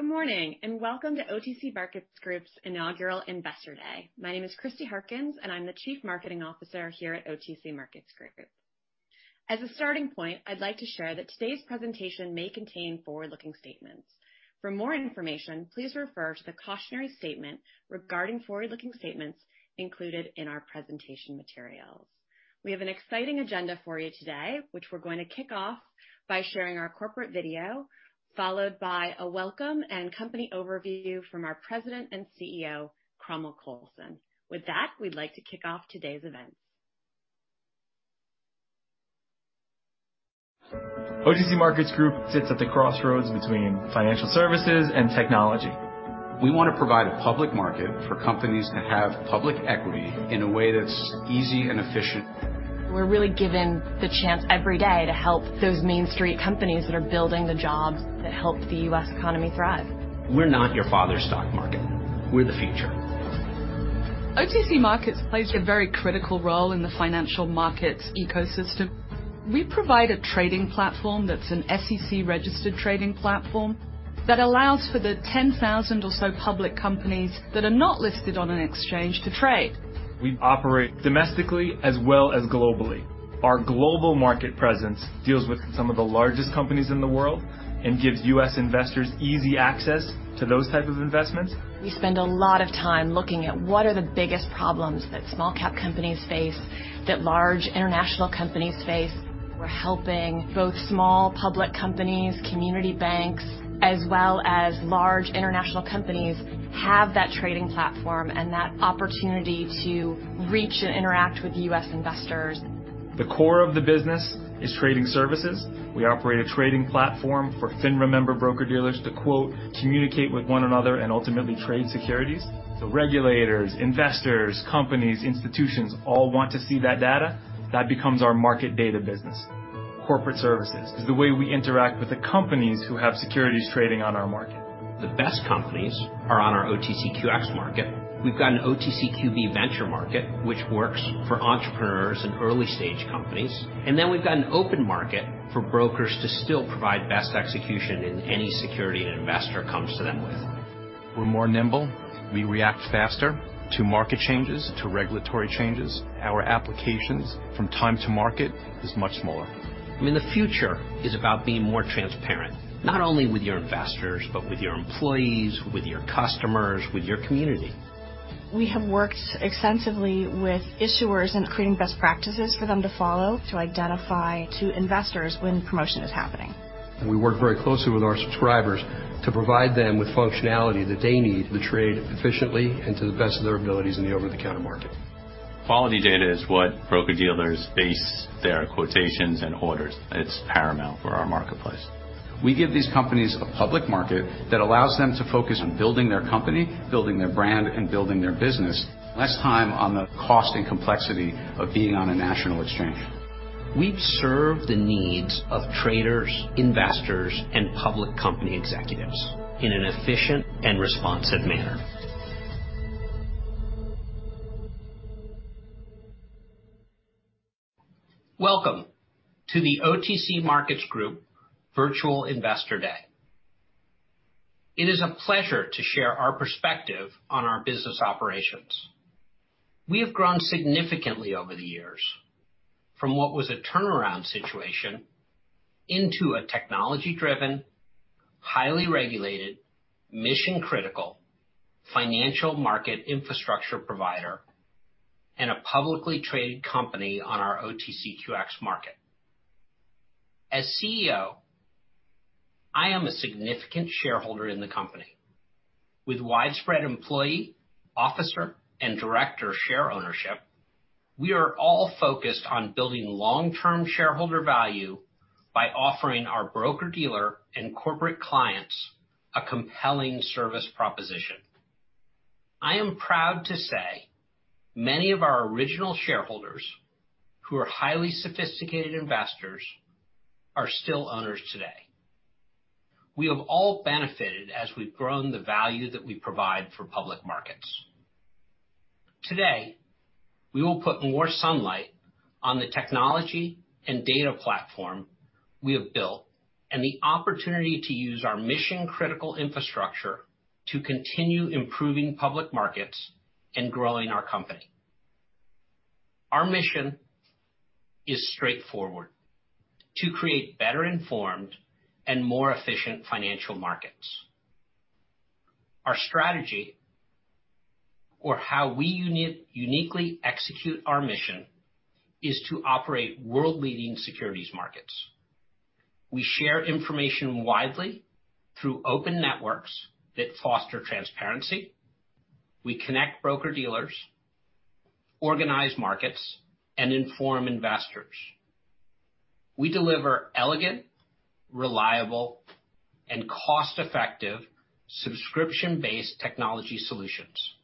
Good morning, and welcome to OTC Markets Group's Inaugural Investor Day. My name is Kristie Harkins, and I'm the Chief Marketing Officer here at OTC Markets Group. As a starting point, I'd like to share that today's presentation may contain forward-looking statements. For more information, please refer to the cautionary statement regarding forward-looking statements included in our presentation materials. We have an exciting agenda for you today, which we're going to kick off by sharing our corporate video, followed by a welcome and company overview from our President and CEO, Cromwell Coulson. With that, we'd like to kick off today's events. OTC Markets Group sits at the crossroads between financial services and technology. We want to provide a public market for companies to have public equity in a way that's easy and efficient. We're really given the chance every day to help those Main Street companies that are building the jobs that help the U.S. economy thrive. We're not your father's stock market. We're the future. OTC Markets plays a very critical role in the financial markets ecosystem. We provide a trading platform that's an SEC-registered trading platform that allows for the 10,000 or so public companies that are not listed on an exchange to trade. We operate domestically as well as globally. Our global market presence deals with some of the largest companies in the world and gives U.S. investors easy access to those types of investments. We spend a lot of time looking at what are the biggest problems that small-cap companies face, that large international companies face. We're helping both small public companies, community banks, as well as large international companies have that trading platform and that opportunity to reach and interact with U.S. investors. The core of the business is trading services. We operate a trading platform for FINRA member broker-dealers to, quote, "communicate with one another and ultimately trade securities." Regulators, investors, companies, institutions all want to see that data. That becomes our market data business. Corporate services is the way we interact with the companies who have securities trading on our market. The best companies are on our OTCQX market. We've got an OTCQB venture market, which works for entrepreneurs and early-stage companies. We've got an open market for brokers to still provide best execution in any security an investor comes to them with. We're more nimble. We react faster to market changes, to regulatory changes. Our applications from time to market are much smaller. I mean, the future is about being more transparent, not only with your investors, but with your employees, with your customers, with your community. We have worked extensively with issuers and creating best practices for them to follow, to identify to investors when promotion is happening. We work very closely with our subscribers to provide them with functionality that they need to trade efficiently and to the best of their abilities in the over-the-counter market. Quality data is what broker-dealers base their quotations and orders on. It's paramount for our marketplace. We give these companies a public market that allows them to focus on building their company, building their brand, and building their business. Less time on the cost and complexity of being on a national exchange. We serve the needs of traders, investors, and public company executives in an efficient and responsive manner. Welcome to the OTC Markets Group Virtual Investor Day. It is a pleasure to share our perspective on our business operations. We have grown significantly over the years from what was a turnaround situation into a technology-driven, highly regulated, mission-critical financial market infrastructure provider and a publicly traded company on our OTCQX market. As CEO, I am a significant shareholder in the company. With widespread employee, officer, and director share ownership, we are all focused on building long-term shareholder value by offering our broker-dealer and corporate clients a compelling service proposition. I am proud to say many of our original shareholders, who are highly sophisticated investors, are still owners today. We have all benefited as we've grown the value that we provide for public markets. Today, we will put more sunlight on the technology and data platform we have built and the opportunity to use our mission-critical infrastructure to continue improving public markets and growing our company. Our mission is straightforward: to create better-informed and more efficient financial markets. Our strategy, or how we uniquely execute our mission, is to operate world-leading securities markets. We share information widely through open networks that foster transparency. We connect broker-dealers, organize markets, and inform investors. We deliver elegant, reliable, and cost-effective subscription-based technology solutions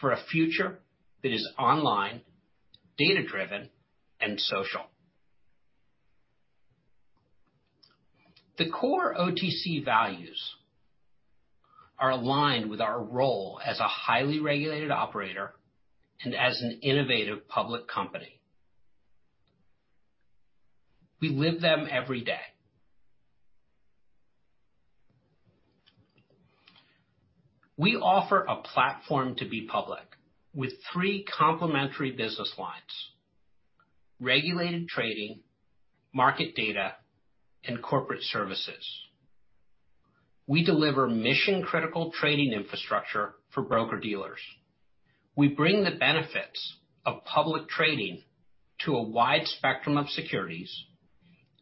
for a future that is online, data-driven, and social. The core OTC values are aligned with our role as a highly regulated operator and as an innovative public company. We live them every day. We offer a platform to be public with three complementary business lines: regulated trading, market data, and corporate services. We deliver mission-critical trading infrastructure for broker-dealers. We bring the benefits of public trading to a wide spectrum of securities,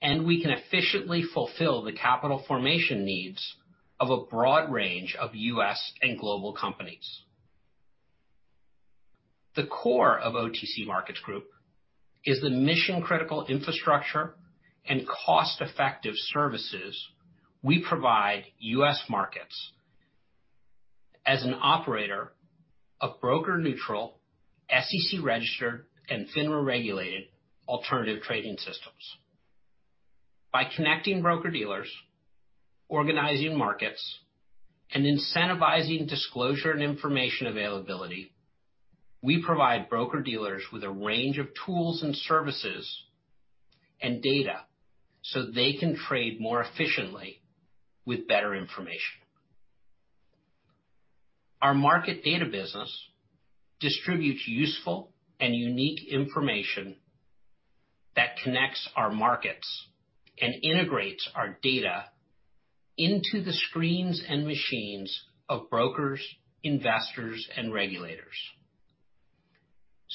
and we can efficiently fulfill the capital formation needs of a broad range of U.S. and global companies. The core of OTC Markets Group is the mission-critical infrastructure and cost-effective services we provide U.S. markets as an operator of broker-neutral, SEC-registered, and FINRA-regulated alternative trading systems. By connecting broker-dealers, organizing markets, and incentivizing disclosure and information availability, we provide broker-dealers with a range of tools and services and data so they can trade more efficiently with better information. Our market data business distributes useful and unique information that connects our markets and integrates our data into the screens and machines of brokers, investors, and regulators.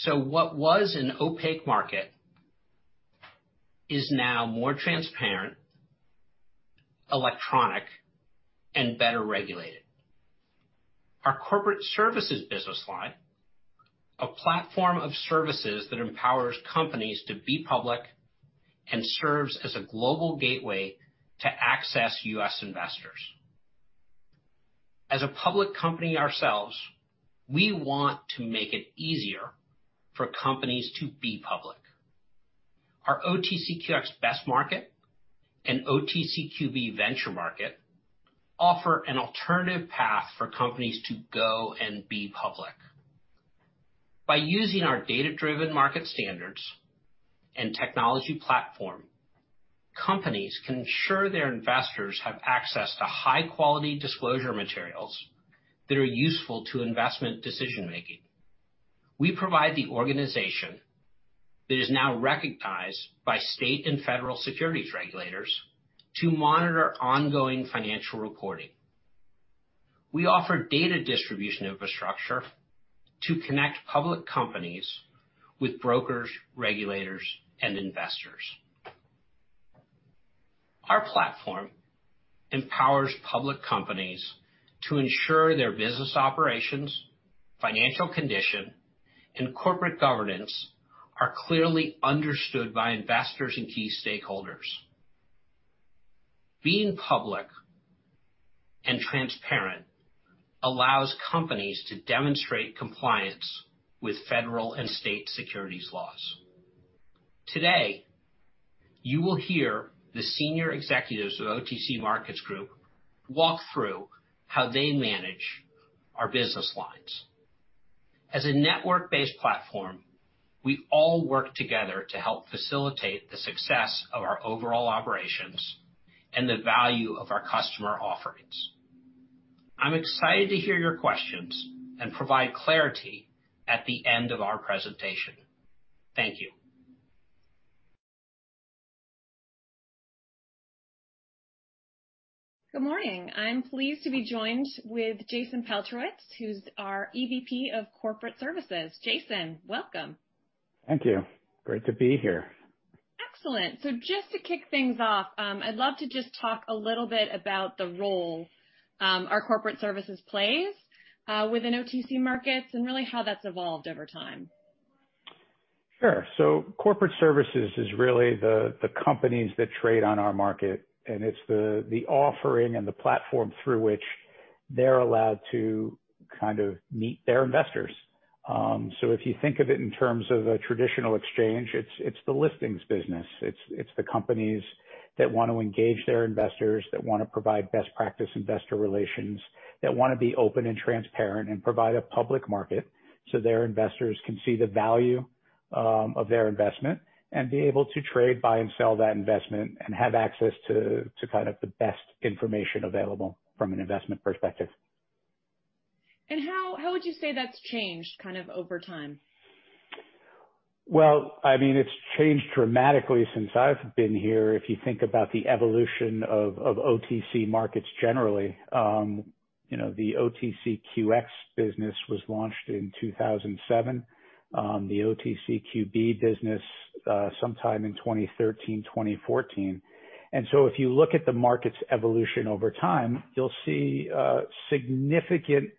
What was an opaque market is now more transparent, electronic, and better regulated. Our corporate services business line, a platform of services that empowers companies to be public and serves as a global gateway to access U.S. investors. As a public company ourselves, we want to make it easier for companies to be public. Our OTCQX Best Market and OTCQB Venture Market offer an alternative path for companies to go and be public. By using our data-driven market standards and technology platform, companies can ensure their investors have access to high-quality disclosure materials that are useful to investment decision-making. We provide the organization that is now recognized by state and federal securities regulators to monitor ongoing financial reporting. We offer data distribution infrastructure to connect public companies with brokers, regulators, and investors. Our platform empowers public companies to ensure their business operations, financial condition, and corporate governance are clearly understood by investors and key stakeholders. Being public and transparent allows companies to demonstrate compliance with federal and state securities laws. Today, you will hear the senior executives of OTC Markets Group walk through how they manage our business lines. As a network-based platform, we all work together to help facilitate the success of our overall operations and the value of our customer offerings. I'm excited to hear your questions and provide clarity at the end of our presentation. Thank you. Good morning. I'm pleased to be joined with Jason Paltrowitz, who's our EVP of Corporate Services. Jason, welcome. Thank you. Great to be here. Excellent. Just to kick things off, I'd love to just talk a little bit about the role our corporate services plays within OTC Markets and really how that's evolved over time. Sure. Corporate services is really the companies that trade on our market, and it's the offering and the platform through which they're allowed to kind of meet their investors. If you think of it in terms of a traditional exchange, it's the listings business. It's the companies that want to engage their investors, that want to provide best practice investor relations, that want to be open and transparent and provide a public market so their investors can see the value of their investment and be able to trade, buy, and sell that investment and have access to kind of the best information available from an investment perspective. How would you say that's changed kind of over time? I mean, it's changed dramatically since I've been here. If you think about the evolution of OTC Markets generally, the OTCQX business was launched in 2007, the OTCQB business sometime in 2013, 2014. If you look at the market's evolution over time, you'll see a significant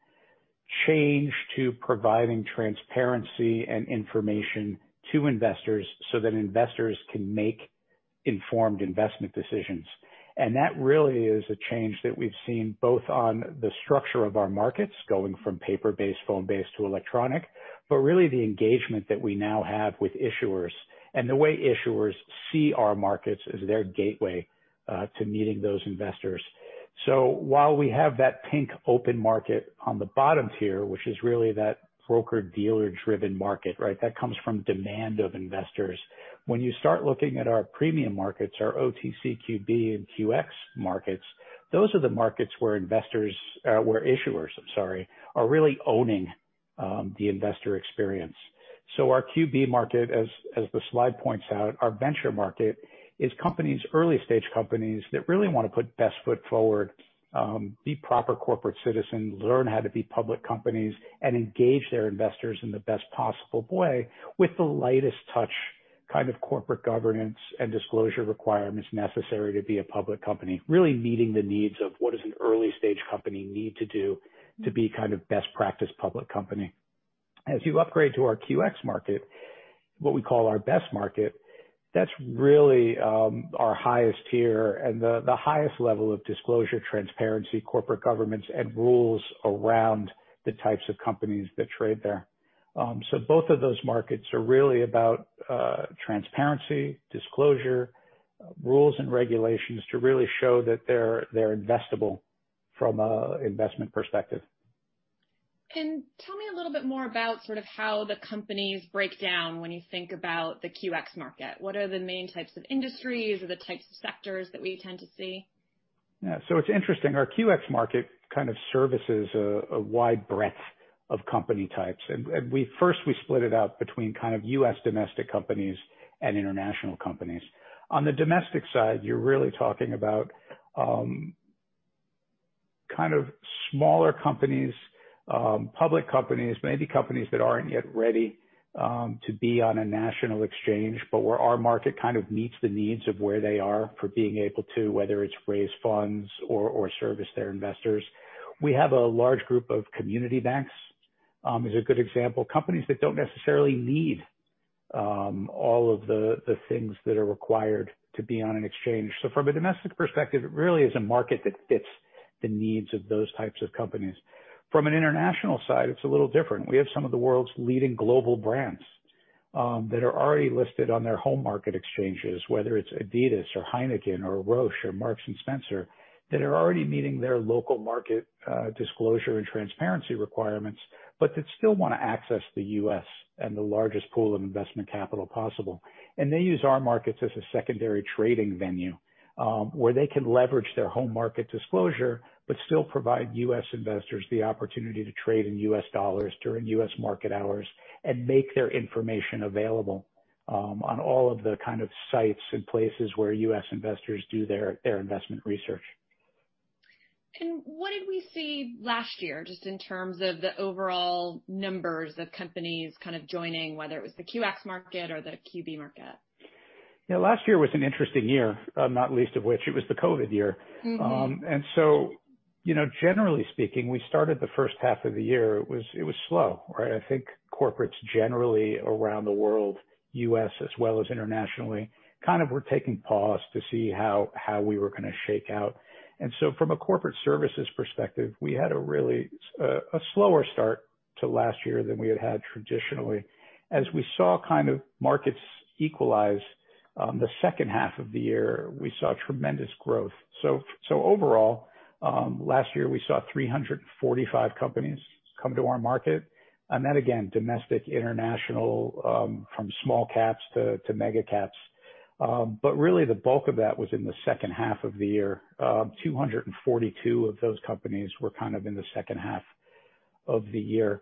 change to providing transparency and information to investors so that investors can make informed investment decisions. That really is a change that we've seen both on the structure of our markets going from paper-based, phone-based to electronic, but really the engagement that we now have with issuers and the way issuers see our markets as their gateway to meeting those investors. While we have that Pink Open Market on the bottom tier, which is really that broker-dealer-driven market, right, that comes from demand of investors, when you start looking at our premium markets, our OTCQB and OTCQX markets, those are the markets where investors or issuers, I'm sorry, are really owning the investor experience. Our QB market, as the slide points out, our venture market is companies, early-stage companies that really want to put best foot forward, be proper corporate citizens, learn how to be public companies, and engage their investors in the best possible way with the lightest touch kind of corporate governance and disclosure requirements necessary to be a public company, really meeting the needs of what does an early-stage company need to do to be kind of best practice public company. As you upgrade to our QX market, what we call our best market, that's really our highest tier and the highest level of disclosure, transparency, corporate governance, and rules around the types of companies that trade there. Both of those markets are really about transparency, disclosure, rules, and regulations to really show that they're investable from an investment perspective. Tell me a little bit more about sort of how the companies break down when you think about the QX market. What are the main types of industries or the types of sectors that we tend to see? Yeah. So it's interesting. Our QX market kind of services a wide breadth of company types. First, we split it out between kind of U.S. domestic companies and international companies. On the domestic side, you're really talking about kind of smaller companies, public companies, maybe companies that aren't yet ready to be on a national exchange, but where our market kind of meets the needs of where they are for being able to, whether it's raise funds or service their investors. We have a large group of community banks as a good example, companies that don't necessarily need all of the things that are required to be on an exchange. From a domestic perspective, it really is a market that fits the needs of those types of companies. From an international side, it's a little different. We have some of the world's leading global brands that are already listed on their home market exchanges, whether it's Adidas or Heineken or Roche or Marks & Spencer, that are already meeting their local market disclosure and transparency requirements, but that still want to access the U.S. and the largest pool of investment capital possible. They use our markets as a secondary trading venue where they can leverage their home market disclosure but still provide U.S. investors the opportunity to trade in U.S. dollars during U.S. market hours and make their information available on all of the kind of sites and places where U.S. investors do their investment research. What did we see last year just in terms of the overall numbers of companies kind of joining, whether it was the QX market or the QB market? Yeah. Last year was an interesting year, not least of which it was the COVID year. Generally speaking, we started the first half of the year, it was slow, right? I think corporates generally around the world, U.S. as well as internationally, kind of were taking pause to see how we were going to shake out. From a corporate services perspective, we had a really slower start to last year than we had had traditionally. As we saw kind of markets equalize the second half of the year, we saw tremendous growth. Overall, last year, we saw 345 companies come to our market, and then again, domestic, international, from small caps to mega caps. Really, the bulk of that was in the second half of the year. 242 of those companies were kind of in the second half of the year.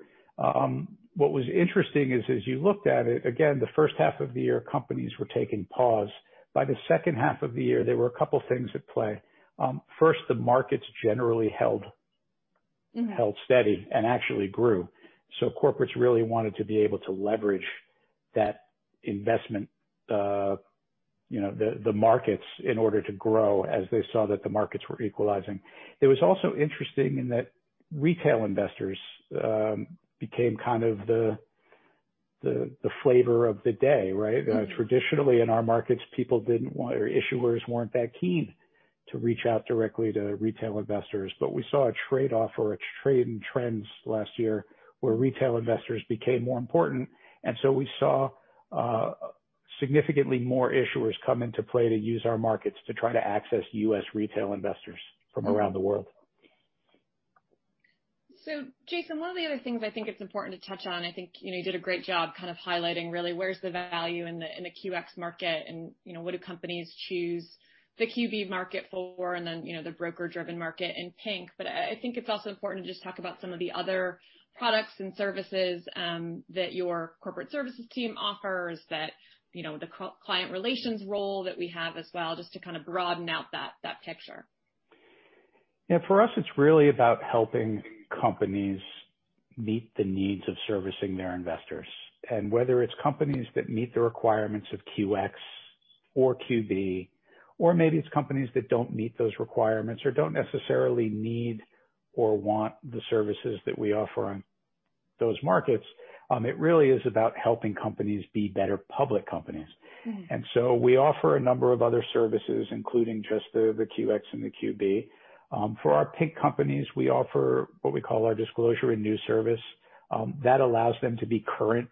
What was interesting is as you looked at it, again, the first half of the year, companies were taking pause. By the second half of the year, there were a couple of things at play. First, the markets generally held steady and actually grew. Corporates really wanted to be able to leverage that investment, the markets, in order to grow as they saw that the markets were equalizing. It was also interesting in that retail investors became kind of the flavor of the day, right? Traditionally, in our markets, people did not want or issuers were not that keen to reach out directly to retail investors. We saw a trade-off or a trade-in trends last year where retail investors became more important. We saw significantly more issuers come into play to use our markets to try to access U.S. retail investors from around the world. Jason, one of the other things I think it's important to touch on, I think you did a great job kind of highlighting really where's the value in the QX market and what do companies choose the QB market for and then the broker-driven market in Pink. I think it's also important to just talk about some of the other products and services that your corporate services team offers, the client relations role that we have as well, just to kind of broaden out that picture. Yeah. For us, it's really about helping companies meet the needs of servicing their investors. Whether it's companies that meet the requirements of QX or QB, or maybe it's companies that don't meet those requirements or don't necessarily need or want the services that we offer on those markets, it really is about helping companies be better public companies. We offer a number of other services, including just the QX and the QB. For our Pink companies, we offer what we call our Disclosure and News Service. That allows them to be current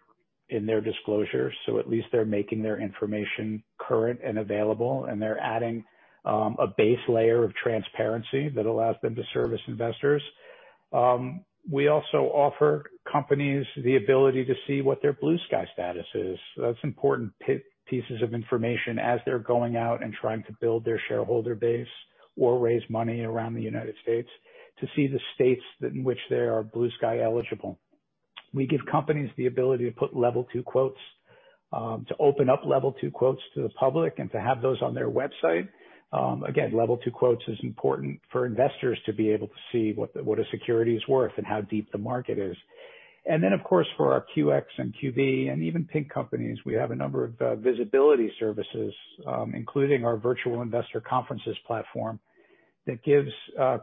in their disclosure. At least they're making their information current and available, and they're adding a base layer of transparency that allows them to service investors. We also offer companies the ability to see what their Blue Sky status is. That's important pieces of information as they're going out and trying to build their shareholder base or raise money around the United States to see the states in which they are blue sky eligible. We give companies the ability to put Level 2 quotes, to open up Level 2 quotes to the public, and to have those on their website. Again, level two quotes is important for investors to be able to see what a security is worth and how deep the market is. Of course, for our QX and QB and even Pink companies, we have a number of visibility services, including our Virtual Investor Conferences platform that gives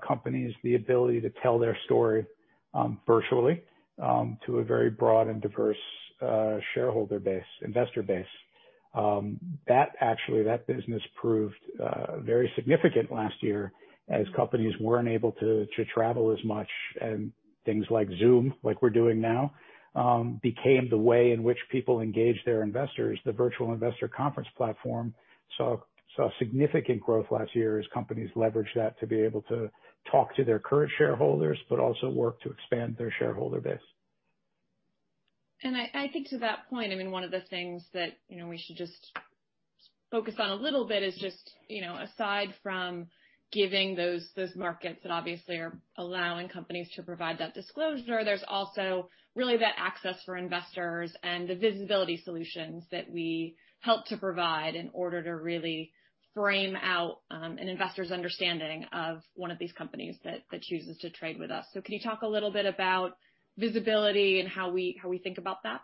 companies the ability to tell their story virtually to a very broad and diverse shareholder base, investor base. That actually, that business proved very significant last year as companies were not able to travel as much and things like Zoom, like we are doing now, became the way in which people engage their investors. The Virtual Investor Conferences platform saw significant growth last year as companies leveraged that to be able to talk to their current shareholders, but also work to expand their shareholder base. I think to that point, I mean, one of the things that we should just focus on a little bit is just aside from giving those markets that obviously are allowing companies to provide that disclosure, there's also really that access for investors and the visibility solutions that we help to provide in order to really frame out an investor's understanding of one of these companies that chooses to trade with us. Can you talk a little bit about visibility and how we think about that?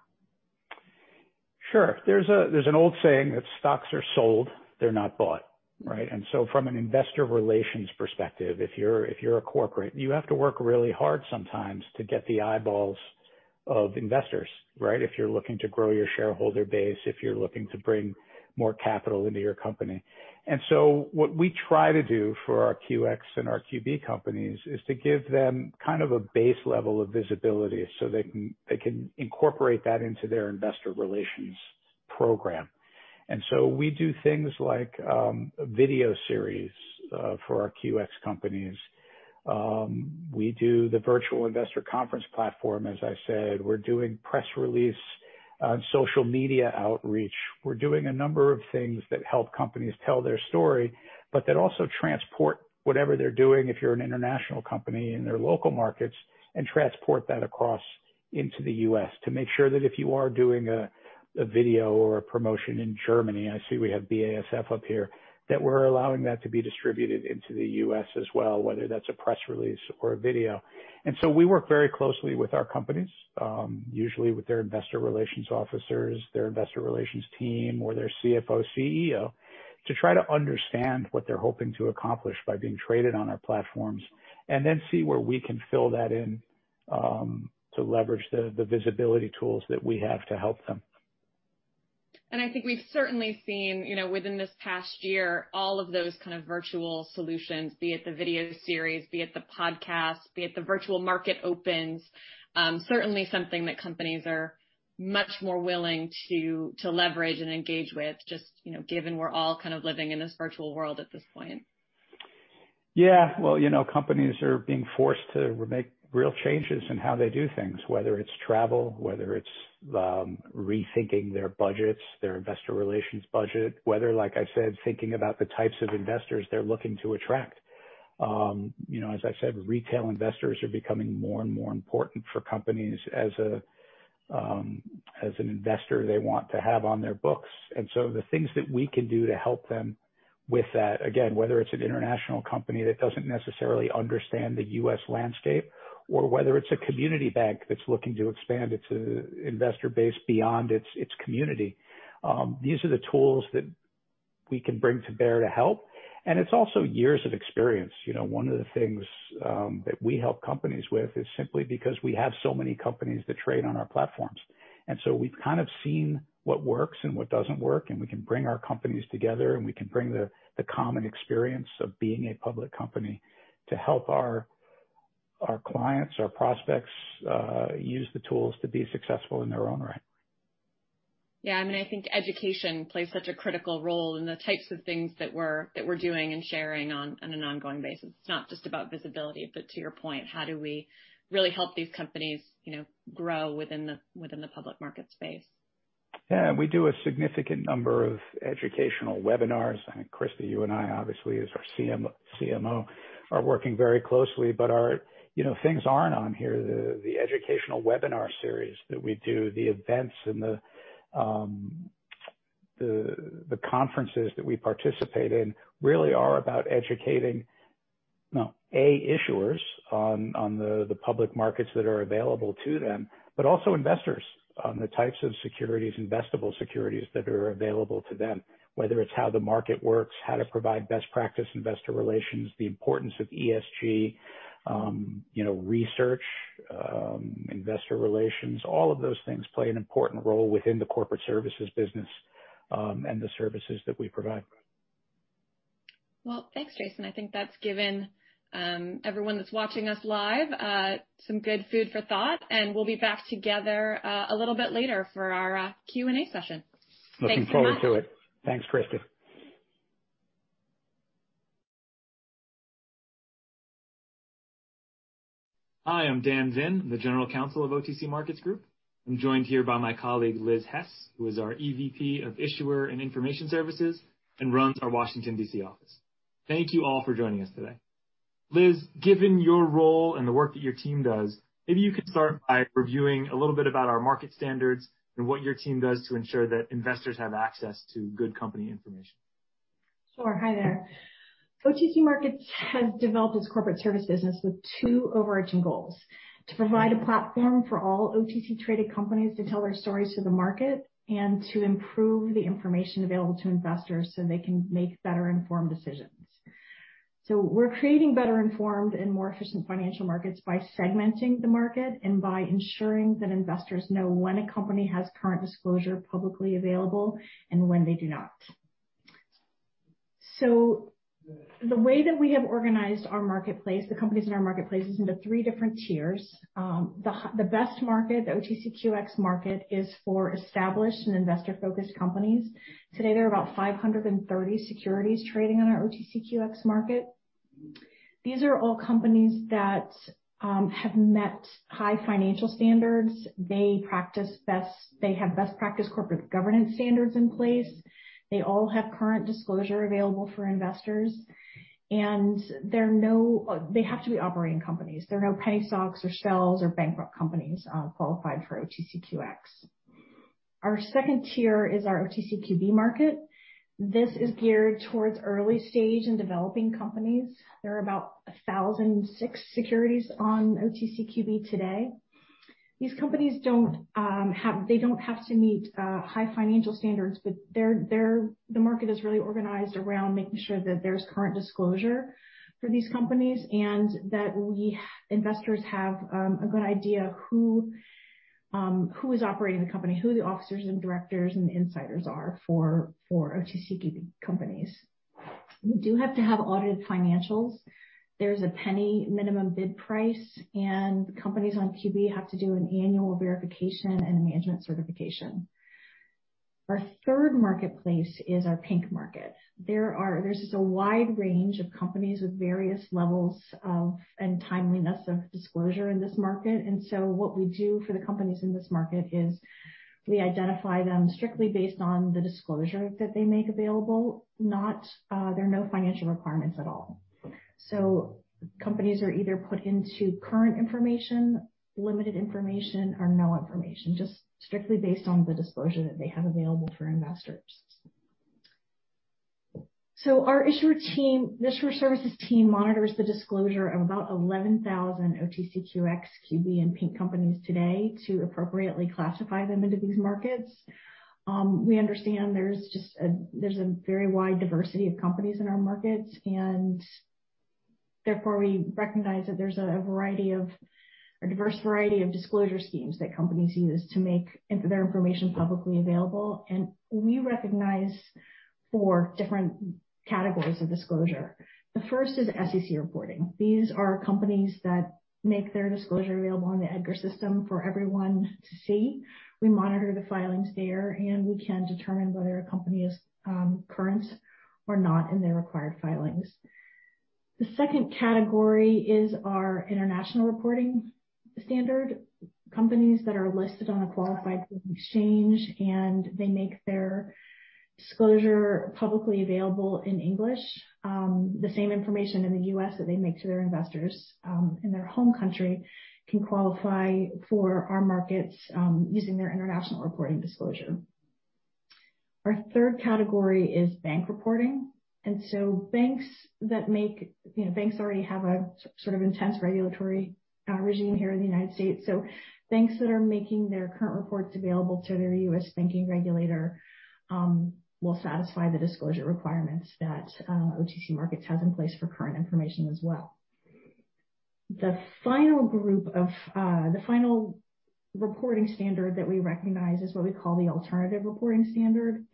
Sure. There's an old saying that stocks are sold, they're not bought, right? From an investor relations perspective, if you're a corporate, you have to work really hard sometimes to get the eyeballs of investors, right, if you're looking to grow your shareholder base, if you're looking to bring more capital into your company. What we try to do for our QX and our QB companies is to give them kind of a base level of visibility so they can incorporate that into their investor relations program. We do things like a video series for our QX companies. We do the virtual investor conference platform, as I said. We're doing press release and social media outreach. We're doing a number of things that help companies tell their story, but that also transport whatever they're doing, if you're an international company in their local markets, and transport that across into the U.S. to make sure that if you are doing a video or a promotion in Germany, I see we have BASF up here, that we're allowing that to be distributed into the U.S. as well, whether that's a press release or a video. We work very closely with our companies, usually with their investor relations officers, their investor relations team, or their CFO, CEO, to try to understand what they're hoping to accomplish by being traded on our platforms and then see where we can fill that in to leverage the visibility tools that we have to help them. I think we've certainly seen within this past year, all of those kind of virtual solutions, be it the video series, be it the podcast, be it the virtual market opens, certainly something that companies are much more willing to leverage and engage with, just given we're all kind of living in this virtual world at this point. Yeah. Companies are being forced to make real changes in how they do things, whether it's travel, whether it's rethinking their budgets, their investor relations budget, whether, like I said, thinking about the types of investors they're looking to attract. As I said, retail investors are becoming more and more important for companies as an investor they want to have on their books. The things that we can do to help them with that, again, whether it's an international company that doesn't necessarily understand the U.S. landscape or whether it's a community bank that's looking to expand its investor base beyond its community, these are the tools that we can bring to bear to help. It's also years of experience. One of the things that we help companies with is simply because we have so many companies that trade on our platforms. We have kind of seen what works and what does not work, and we can bring our companies together, and we can bring the common experience of being a public company to help our clients, our prospects use the tools to be successful in their own right. Yeah. I mean, I think education plays such a critical role in the types of things that we're doing and sharing on an ongoing basis. It's not just about visibility, but to your point, how do we really help these companies grow within the public market space? Yeah. We do a significant number of educational webinars. I think, Kristie, you and I, obviously, as our CMO, are working very closely. Things are not on here. The educational webinar series that we do, the events and the conferences that we participate in really are about educating, A, issuers on the public markets that are available to them, but also investors on the types of securities, investable securities that are available to them, whether it is how the market works, how to provide best practice investor relations, the importance of ESG research, investor relations. All of those things play an important role within the corporate services business and the services that we provide. Thanks, Jason. I think that's given everyone that's watching us live some good food for thought. We'll be back together a little bit later for our Q&A session. Looking forward to it. Thanks, Kristie. Hi, I'm Dan Zinn, the General Counsel of OTC Markets Group. I'm joined here by my colleague, Liz Hess, who is our EVP of Issuer and Information Services and runs our Washington, D.C. office. Thank you all for joining us today. Liz, given your role and the work that your team does, maybe you could start by reviewing a little bit about our market standards and what your team does to ensure that investors have access to good company information. Sure. Hi there. OTC Markets has developed its corporate services business with two overarching goals: to provide a platform for all OTC-traded companies to tell their stories to the market and to improve the information available to investors so they can make better-informed decisions. We are creating better-informed and more efficient financial markets by segmenting the market and by ensuring that investors know when a company has current disclosure publicly available and when they do not. The way that we have organized our marketplace, the companies in our marketplace, is into three different tiers. The best market, the OTCQX market, is for established and investor-focused companies. Today, there are about 530 securities trading on our OTCQX market. These are all companies that have met high financial standards. They have best practice corporate governance standards in place. They all have current disclosure available for investors. They have to be operating companies. There are no penny stocks or shells or bankrupt companies qualified for OTCQX. Our second tier is our OTCQB market. This is geared towards early-stage and developing companies. There are about 1,006 securities on OTCQB today. These companies don't have to meet high financial standards, but the market is really organized around making sure that there's current disclosure for these companies and that investors have a good idea of who is operating the company, who the officers and directors and insiders are for OTCQB companies. We do have to have audited financials. There's a penny minimum bid price, and companies on QB have to do an annual verification and a management certification. Our third marketplace is our Pink Market. There's just a wide range of companies with various levels and timeliness of disclosure in this market. What we do for the companies in this market is we identify them strictly based on the disclosure that they make available. There are no financial requirements at all. Companies are either put into current information, limited information, or no information, just strictly based on the disclosure that they have available for investors. Our issuer services team monitors the disclosure of about 11,000 OTCQX, OTCQB, and Pink companies today to appropriately classify them into these markets. We understand there's a very wide diversity of companies in our markets, and therefore, we recognize that there's a diverse variety of disclosure schemes that companies use to make their information publicly available. We recognize four different categories of disclosure. The first is SEC reporting. These are companies that make their disclosure available on the EDGAR system for everyone to see. We monitor the filings there, and we can determine whether a company is current or not in their required filings. The second category is our international reporting standard. Companies that are listed on a qualified exchange and they make their disclosure publicly available in English. The same information in the U.S. that they make to their investors in their home country can qualify for our markets using their international reporting disclosure. Our third category is bank reporting. Banks already have a sort of intense regulatory regime here in the United States. Banks that are making their current reports available to their U.S. banking regulator will satisfy the disclosure requirements that OTC Markets has in place for current information as well. The final reporting standard that we recognize is what we call the alternative reporting standard.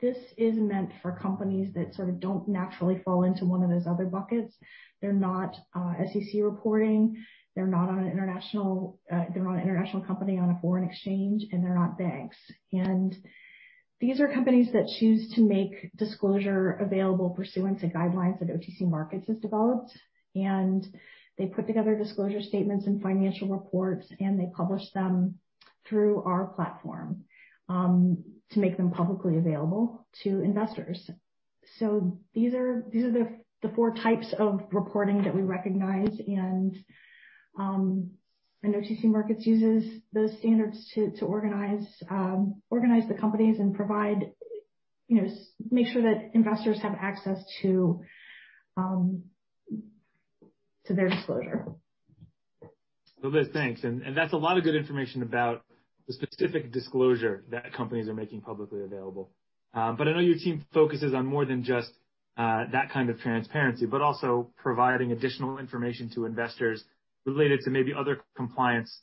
This is meant for companies that sort of do not naturally fall into one of those other buckets. They are not SEC reporting. They are not on an international, they are not an international company on a foreign exchange, and they are not banks. These are companies that choose to make disclosure available pursuant to guidelines that OTC Markets has developed. They put together disclosure statements and financial reports, and they publish them through our platform to make them publicly available to investors. These are the four types of reporting that we recognize. OTC Markets uses those standards to organize the companies and make sure that investors have access to their disclosure. Liz, thanks. That's a lot of good information about the specific disclosure that companies are making publicly available. I know your team focuses on more than just that kind of transparency, but also providing additional information to investors related to maybe other compliance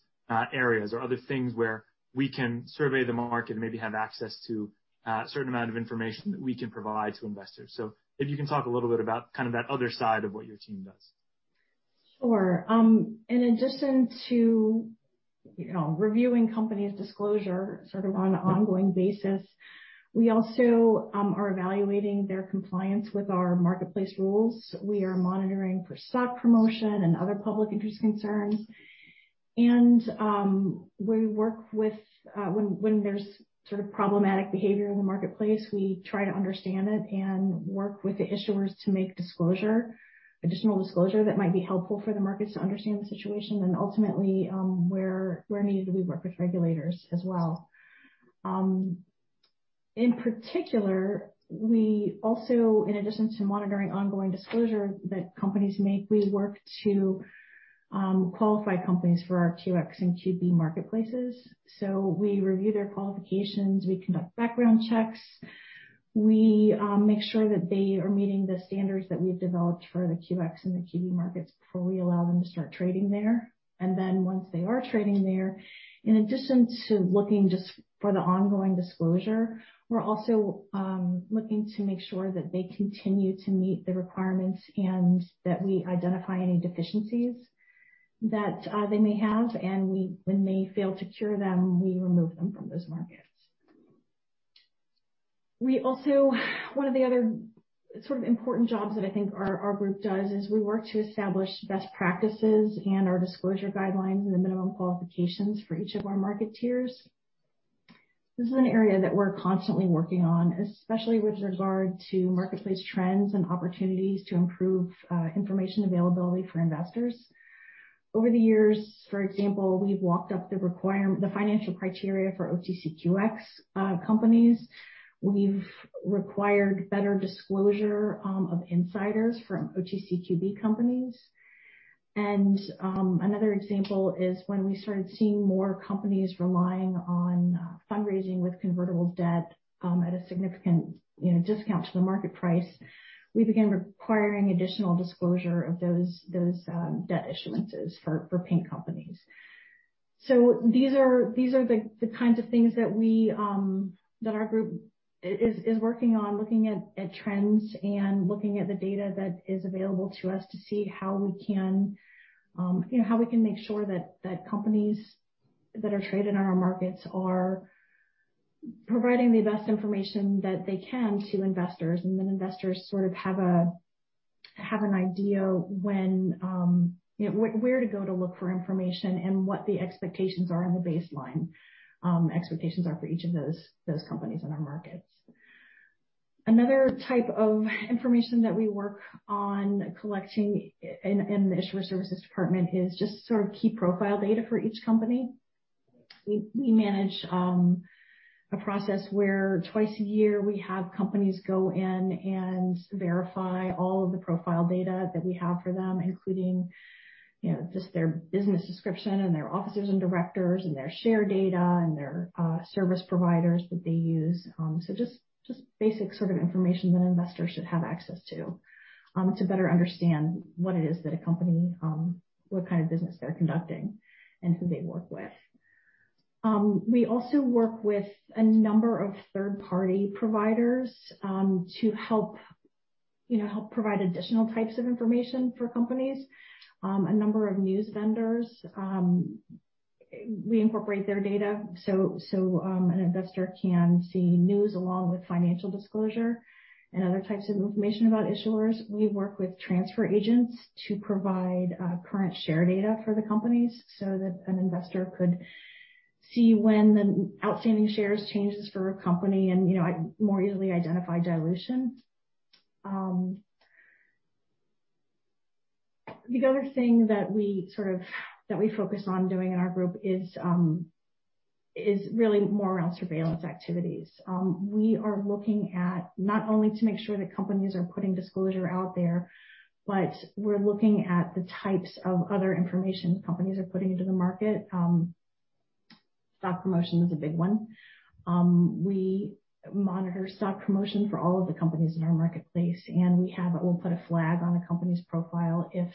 areas or other things where we can survey the market and maybe have access to a certain amount of information that we can provide to investors. Maybe you can talk a little bit about kind of that other side of what your team does. Sure. In addition to reviewing companies' disclosure sort of on an ongoing basis, we also are evaluating their compliance with our marketplace rules. We are monitoring for stock promotion and other public interest concerns. When there's sort of problematic behavior in the marketplace, we try to understand it and work with the issuers to make additional disclosure that might be helpful for the markets to understand the situation. Ultimately, where needed, we work with regulators as well. In particular, we also, in addition to monitoring ongoing disclosure that companies make, work to qualify companies for our QX and QB marketplaces. We review their qualifications. We conduct background checks. We make sure that they are meeting the standards that we've developed for the QX and the QB markets before we allow them to start trading there. Once they are trading there, in addition to looking just for the ongoing disclosure, we are also looking to make sure that they continue to meet the requirements and that we identify any deficiencies that they may have. When they fail to cure them, we remove them from those markets. One of the other sort of important jobs that I think our group does is we work to establish best practices and our disclosure guidelines and the minimum qualifications for each of our market tiers. This is an area that we are constantly working on, especially with regard to marketplace trends and opportunities to improve information availability for investors. Over the years, for example, we have locked up the financial criteria for OTCQX companies. We have required better disclosure of insiders from OTCQB companies. Another example is when we started seeing more companies relying on fundraising with convertible debt at a significant discount to the market price, we began requiring additional disclosure of those debt issuances for Pink companies. These are the kinds of things that our group is working on, looking at trends and looking at the data that is available to us to see how we can make sure that companies that are traded on our markets are providing the best information that they can to investors. Investors sort of have an idea where to go to look for information and what the expectations are and the baseline expectations are for each of those companies in our markets. Another type of information that we work on collecting in the issuer services department is just sort of key profile data for each company. We manage a process where twice a year, we have companies go in and verify all of the profile data that we have for them, including just their business description and their officers and directors and their share data and their service providers that they use. Just basic sort of information that investors should have access to to better understand what it is that a company, what kind of business they're conducting, and who they work with. We also work with a number of third-party providers to help provide additional types of information for companies, a number of news vendors. We incorporate their data so an investor can see news along with financial disclosure and other types of information about issuers. We work with transfer agents to provide current share data for the companies so that an investor could see when the outstanding shares change for a company and more easily identify dilution. The other thing that we focus on doing in our group is really more around surveillance activities. We are looking at not only to make sure that companies are putting disclosure out there, but we're looking at the types of other information companies are putting into the market. Stock promotion is a big one. We monitor stock promotion for all of the companies in our marketplace. We will put a flag on a company's profile if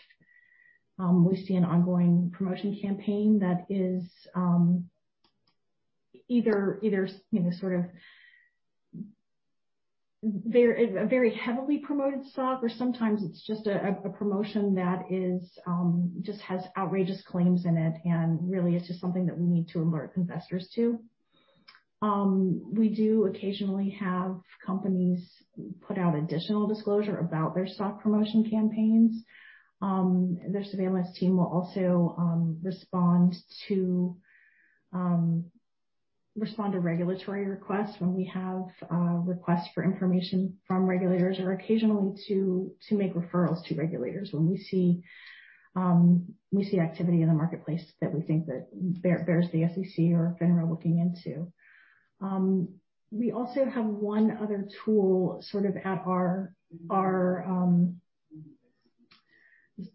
we see an ongoing promotion campaign that is either sort of a very heavily promoted stock, or sometimes it's just a promotion that just has outrageous claims in it. Really, it's just something that we need to alert investors to. We do occasionally have companies put out additional disclosure about their stock promotion campaigns. Their surveillance team will also respond to regulatory requests when we have requests for information from regulators or occasionally to make referrals to regulators when we see activity in the marketplace that we think that bears the SEC or FINRA looking into. We also have one other tool sort of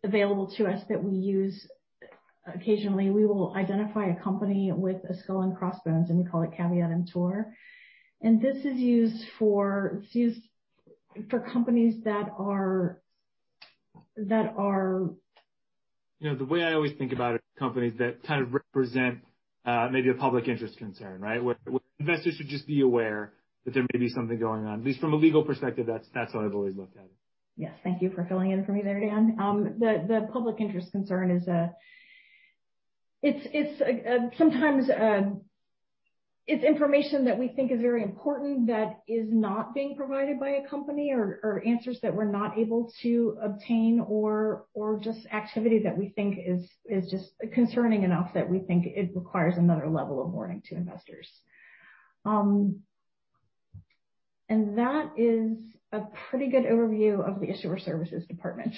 available to us that we use occasionally. We will identify a company with a skull and crossbones, and we call it Caveat Emptor. And this is used for companies that are. The way I always think about it is companies that kind of represent maybe a public interest concern, right, where investors should just be aware that there may be something going on. At least from a legal perspective, that's how I've always looked at it. Yes. Thank you for filling in for me there, Dan. The public interest concern is sometimes it's information that we think is very important that is not being provided by a company or answers that we're not able to obtain or just activity that we think is just concerning enough that we think it requires another level of warning to investors. That is a pretty good overview of the issuer services department.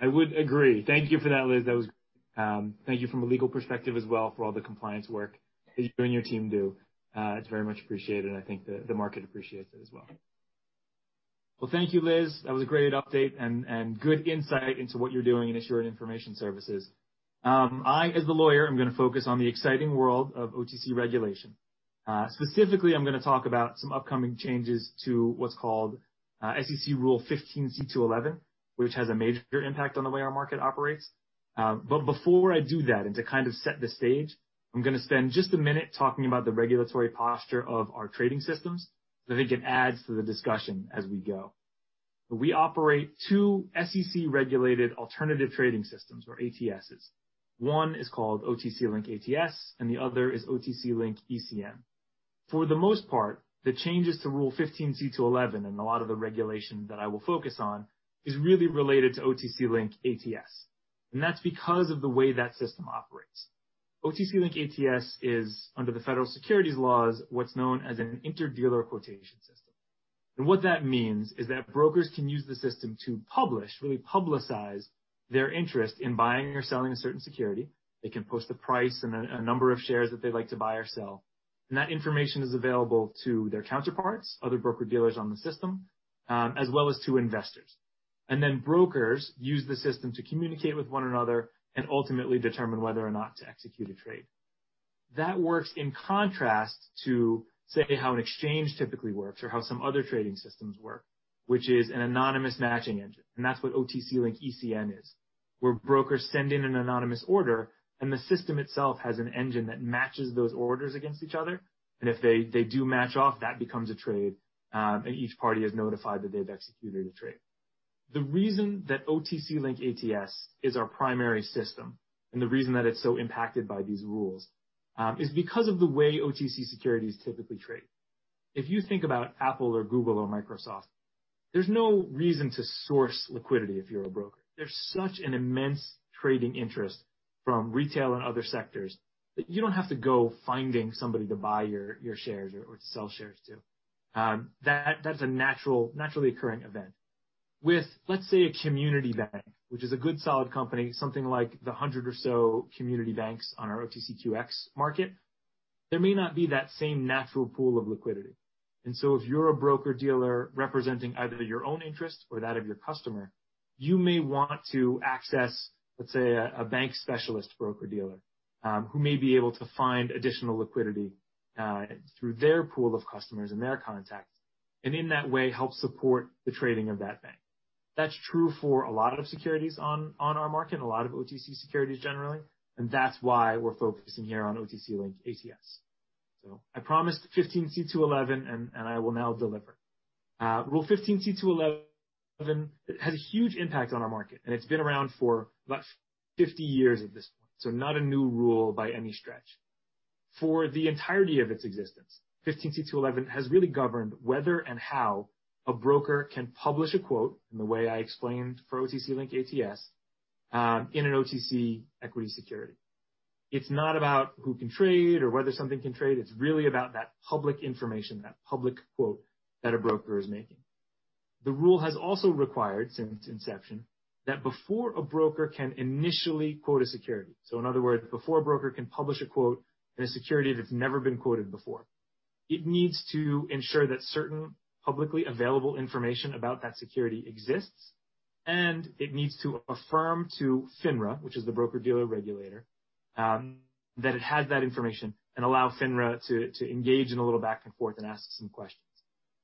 I would agree. Thank you for that, Liz. That was great. Thank you from a legal perspective as well for all the compliance work that you and your team do. It's very much appreciated, and I think the market appreciates it as well. Thank you, Liz. That was a great update and good insight into what you're doing in issuing information services. I, as the lawyer, am going to focus on the exciting world of OTC regulation. Specifically, I'm going to talk about some upcoming changes to what's called SEC Rule 15c2-11, which has a major impact on the way our market operates. Before I do that and to kind of set the stage, I'm going to spend just a minute talking about the regulatory posture of our trading systems so I think it adds to the discussion as we go. We operate two SEC-regulated alternative trading systems or ATSs. One is called OTC Link ATS, and the other is OTC Link ECN. For the most part, the changes to Rule 15c2-11 and a lot of the regulation that I will focus on is really related to OTC Link ATS. That is because of the way that system operates. OTC Link ATS is, under the federal securities laws, what is known as an inter-dealer quotation system. What that means is that brokers can use the system to publish, really publicize their interest in buying or selling a certain security. They can post the price and a number of shares that they would like to buy or sell. That information is available to their counterparts, other broker-dealers on the system, as well as to investors. Brokers use the system to communicate with one another and ultimately determine whether or not to execute a trade. That works in contrast to, say, how an exchange typically works or how some other trading systems work, which is an anonymous matching engine. That is what OTC Link ECN is, where brokers send in an anonymous order, and the system itself has an engine that matches those orders against each other. If they do match off, that becomes a trade, and each party is notified that they have executed a trade. The reason that OTC Link ATS is our primary system and the reason that it is so impacted by these rules is because of the way OTC securities typically trade. If you think about Apple or Google or Microsoft, there is no reason to source liquidity if you are a broker. There's such an immense trading interest from retail and other sectors that you don't have to go finding somebody to buy your shares or to sell shares to. That's a naturally occurring event. With, let's say, a community bank, which is a good solid company, something like the hundred or so community banks on our OTCQX market, there may not be that same natural pool of liquidity. If you're a broker-dealer representing either your own interest or that of your customer, you may want to access, let's say, a bank specialist broker-dealer who may be able to find additional liquidity through their pool of customers and their contacts and in that way help support the trading of that bank. That's true for a lot of securities on our market, a lot of OTC securities generally. That's why we're focusing here on OTC Link ATS. I promised 15c2-11, and I will now deliver. Rule 15c2-11 has a huge impact on our market, and it's been around for about 50 years at this point, so not a new rule by any stretch. For the entirety of its existence, 15c2-11 has really governed whether and how a broker can publish a quote in the way I explained for OTC Link ATS in an OTC equity security. It's not about who can trade or whether something can trade. It's really about that public information, that public quote that a broker is making. The rule has also required since inception that before a broker can initially quote a security—in other words, before a broker can publish a quote in a security that's never been quoted before—it needs to ensure that certain publicly available information about that security exists. It needs to affirm to FINRA, which is the broker-dealer regulator, that it has that information and allow FINRA to engage in a little back and forth and ask some questions.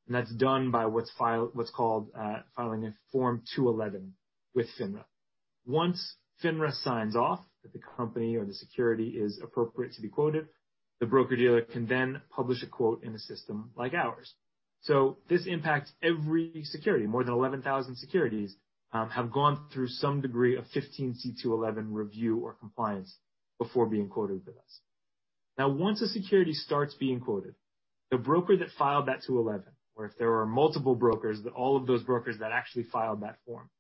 That is done by what is called filing Form 211 with FINRA. Once FINRA signs off that the company or the security is appropriate to be quoted, the broker-dealer can then publish a quote in a system like ours. This impacts every security. More than 11,000 securities have gone through some degree of 15c2-11 review or compliance before being quoted with us. Once a security starts being quoted, the broker that filed that 211, or if there are multiple brokers, all of those brokers that actually filed that form,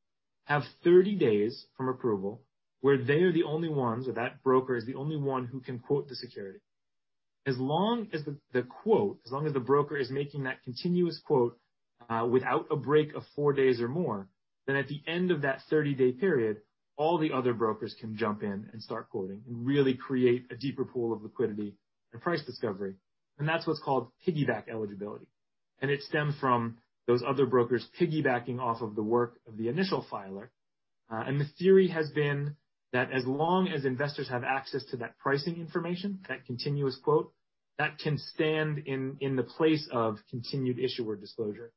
have 30 days from approval where they are the only ones or that broker is the only one who can quote the security. As long as the quote, as long as the broker is making that continuous quote without a break of four days or more, then at the end of that 30-day period, all the other brokers can jump in and start quoting and really create a deeper pool of liquidity and price discovery. That is what's called piggyback eligibility. It stems from those other brokers piggybacking off of the work of the initial filer. The theory has been that as long as investors have access to that pricing information, that continuous quote, that can stand in the place of continued issuer disclosure.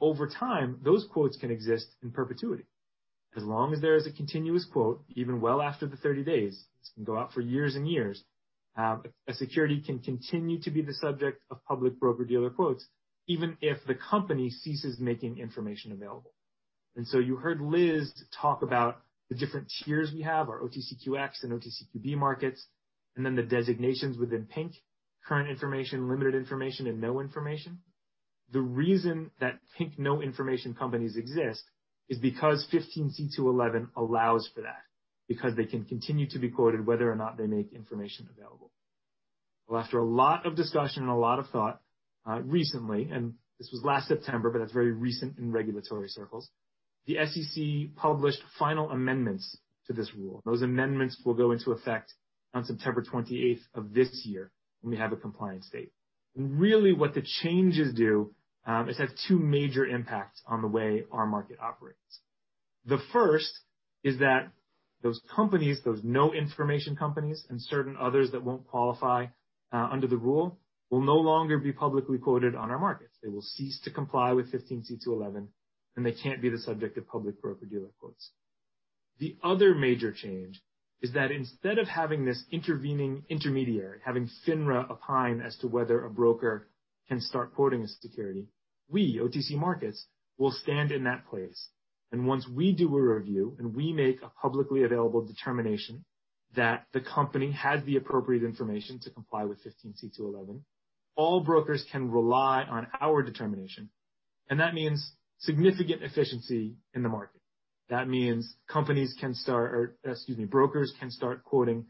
Over time, those quotes can exist in perpetuity. As long as there is a continuous quote, even well after the 30 days, this can go out for years and years, a security can continue to be the subject of public broker-dealer quotes even if the company ceases making information available. You heard Liz talk about the different tiers we have, our OTCQX and OTCQB markets, and then the designations within Pink, current information, limited information, and no information. The reason that Pink no information companies exist is because 15c2-11 allows for that, because they can continue to be quoted whether or not they make information available. After a lot of discussion and a lot of thought recently—and this was last September, but that is very recent in regulatory circles—the SEC published final amendments to this rule. Those amendments will go into effect on September 28th of this year when we have a compliance date. Really, what the changes do is have two major impacts on the way our market operates. The first is that those companies, those no information companies and certain others that will not qualify under the rule will no longer be publicly quoted on our markets. They will cease to comply with 15c2-11, and they cannot be the subject of public broker-dealer quotes. The other major change is that instead of having this intervening intermediary, having FINRA opine as to whether a broker can start quoting a security, we, OTC Markets, will stand in that place. Once we do a review and we make a publicly available determination that the company has the appropriate information to comply with 15c2-11, all brokers can rely on our determination. That means significant efficiency in the market. That means companies can start—excuse me—brokers can start quoting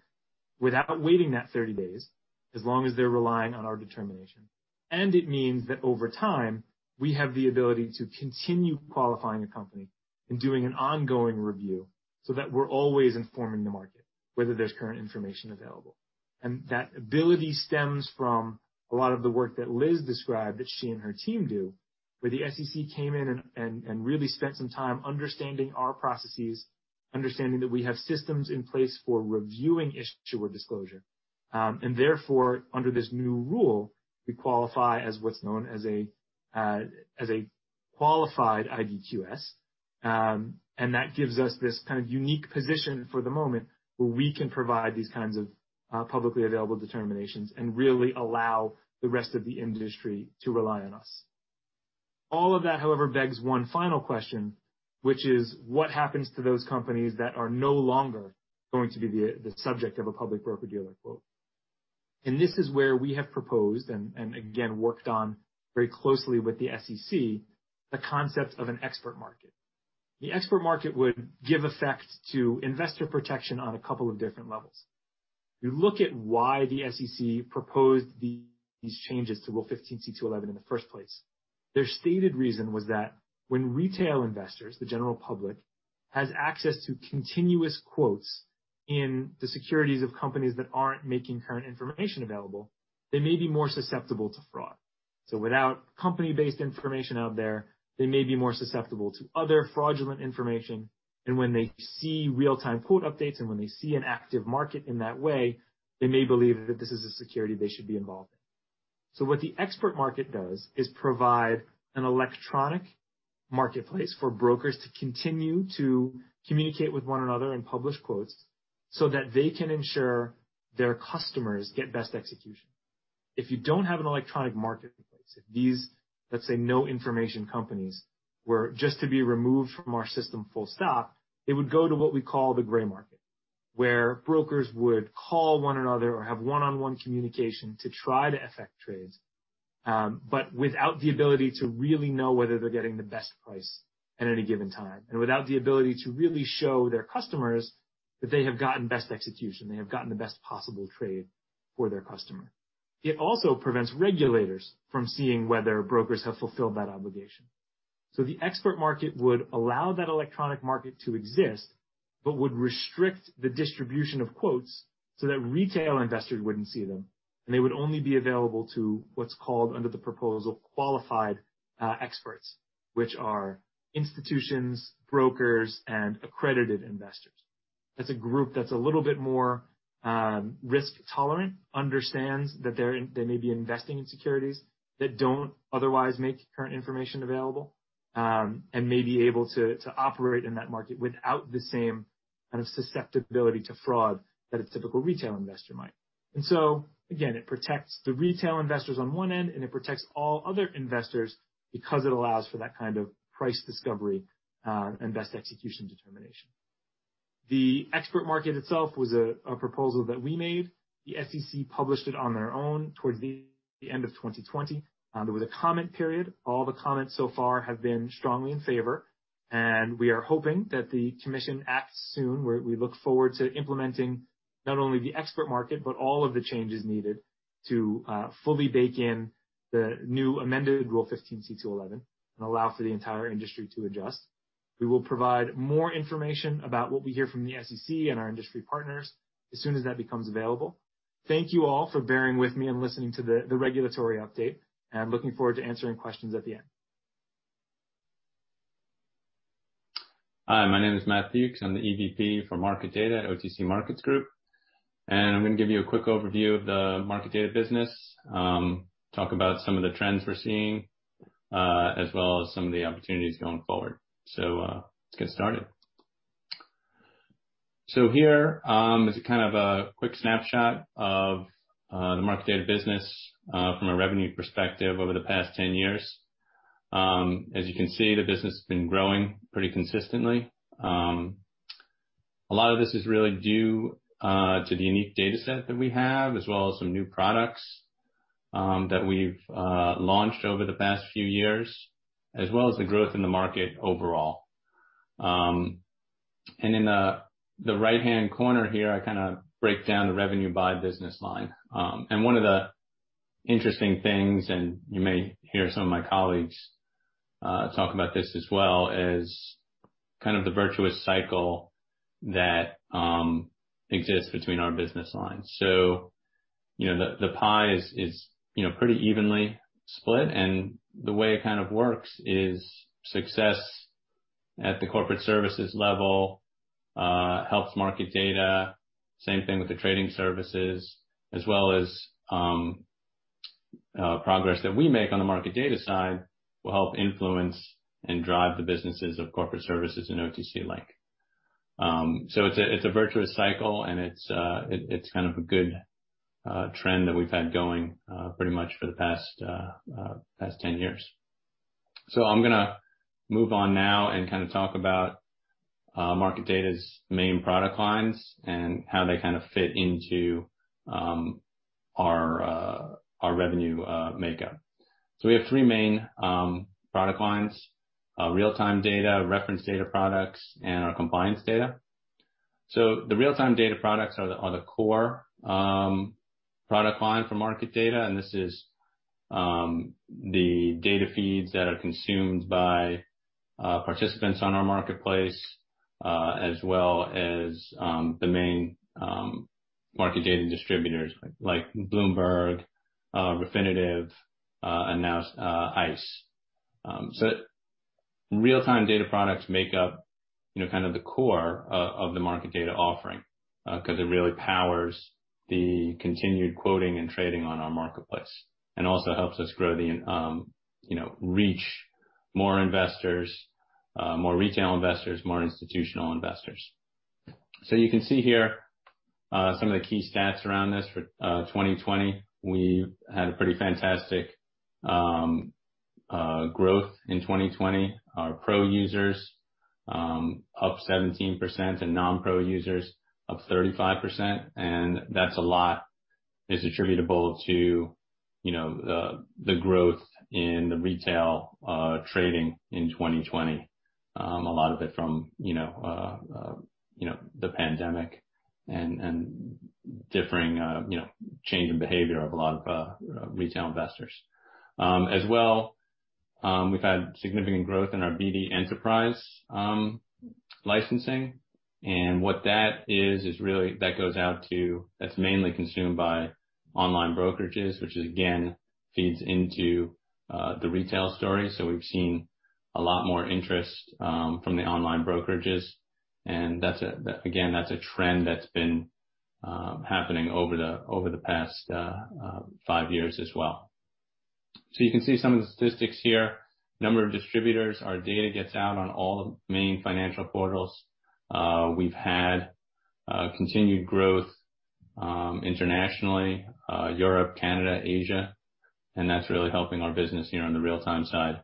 without waiting that 30 days, as long as they're relying on our determination. It means that over time, we have the ability to continue qualifying a company and doing an ongoing review so that we're always informing the market whether there's current information available. That ability stems from a lot of the work that Liz described that she and her team do, where the SEC came in and really spent some time understanding our processes, understanding that we have systems in place for reviewing issuer disclosure. Therefore, under this new rule, we qualify as what's known as a qualified IDQS. That gives us this kind of unique position for the moment where we can provide these kinds of publicly available determinations and really allow the rest of the industry to rely on us. All of that, however, begs one final question, which is what happens to those companies that are no longer going to be the subject of a public broker-dealer quote? This is where we have proposed and, again, worked on very closely with the SEC, the concept of an Expert Market. The Expert Market would give effect to investor protection on a couple of different levels. You look at why the SEC proposed these changes to Rule 15c2-11 in the first place. Their stated reason was that when retail investors, the general public, has access to continuous quotes in the securities of companies that are not making current information available, they may be more susceptible to fraud. Without company-based information out there, they may be more susceptible to other fraudulent information. When they see real-time quote updates and when they see an active market in that way, they may believe that this is a security they should be involved in. What the Expert Market does is provide an electronic marketplace for brokers to continue to communicate with one another and publish quotes so that they can ensure their customers get best execution. If you don't have an electronic marketplace, if these, let's say, no information companies were just to be removed from our system, full stop, they would go to what we call the gray market, where brokers would call one another or have one-on-one communication to try to affect trades, but without the ability to really know whether they're getting the best price at any given time, and without the ability to really show their customers that they have gotten best execution, they have gotten the best possible trade for their customer. It also prevents regulators from seeing whether brokers have fulfilled that obligation. The Expert Market would allow that electronic market to exist, but would restrict the distribution of quotes so that retail investors wouldn't see them, and they would only be available to what's called under the proposal qualified experts, which are institutions, brokers, and accredited investors. That's a group that's a little bit more risk tolerant, understands that they may be investing in securities that don't otherwise make current information available, and may be able to operate in that market without the same kind of susceptibility to fraud that a typical retail investor might. It protects the retail investors on one end, and it protects all other investors because it allows for that kind of price discovery and best execution determination. The Expert Market itself was a proposal that we made. The SEC published it on their own towards the end of 2020. There was a comment period. All the comments so far have been strongly in favor. We are hoping that the commission acts soon. We look forward to implementing not only the Expert Market, but all of the changes needed to fully bake in the new amended Rule 15c2-11 and allow for the entire industry to adjust. We will provide more information about what we hear from the SEC and our industry partners as soon as that becomes available. Thank you all for bearing with me and listening to the regulatory update. I am looking forward to answering questions at the end. Hi. My name is Matt Dukes. I'm the EVP for Market Data at OTC Markets Group. I'm going to give you a quick overview of the market data business, talk about some of the trends we're seeing, as well as some of the opportunities going forward. Let's get started. Here is a kind of a quick snapshot of the market data business from a revenue perspective over the past 10 years. As you can see, the business has been growing pretty consistently. A lot of this is really due to the unique data set that we have, as well as some new products that we've launched over the past few years, as well as the growth in the market overall. In the right-hand corner here, I kind of break down the revenue by business line. One of the interesting things—you may hear some of my colleagues talk about this as well—is kind of the virtuous cycle that exists between our business lines. The pie is pretty evenly split. The way it kind of works is success at the corporate services level helps market data. Same thing with the trading services, as well as progress that we make on the market data side will help influence and drive the businesses of corporate services and OTC Link. It's a virtuous cycle, and it's kind of a good trend that we've had going pretty much for the past 10 years. I'm going to move on now and kind of talk about market data's main product lines and how they kind of fit into our revenue makeup. We have three main product lines: real-time data, reference data products, and our compliance data. The real-time data products are the core product line for market data. This is the data feeds that are consumed by participants on our marketplace, as well as the main market data distributors like Bloomberg, Refinitiv, and now ICE. Real-time data products make up kind of the core of the market data offering because it really powers the continued quoting and trading on our marketplace and also helps us grow the reach: more investors, more retail investors, more institutional investors. You can see here some of the key stats around this. For 2020, we had a pretty fantastic growth in 2020. Our pro users up 17% and non-pro users up 35%. That is a lot that is attributable to the growth in the retail trading in 2020, a lot of it from the pandemic and differing change in behavior of a lot of retail investors. As well, we have had significant growth in our BD enterprise licensing. What that is, is really that goes out to—that is mainly consumed by online brokerages, which is, again, feeds into the retail story. We have seen a lot more interest from the online brokerages. Again, that is a trend that has been happening over the past five years as well. You can see some of the statistics here. Number of distributors, our data gets out on all the main financial portals. We've had continued growth internationally: Europe, Canada, Asia. That's really helping our business here on the real-time side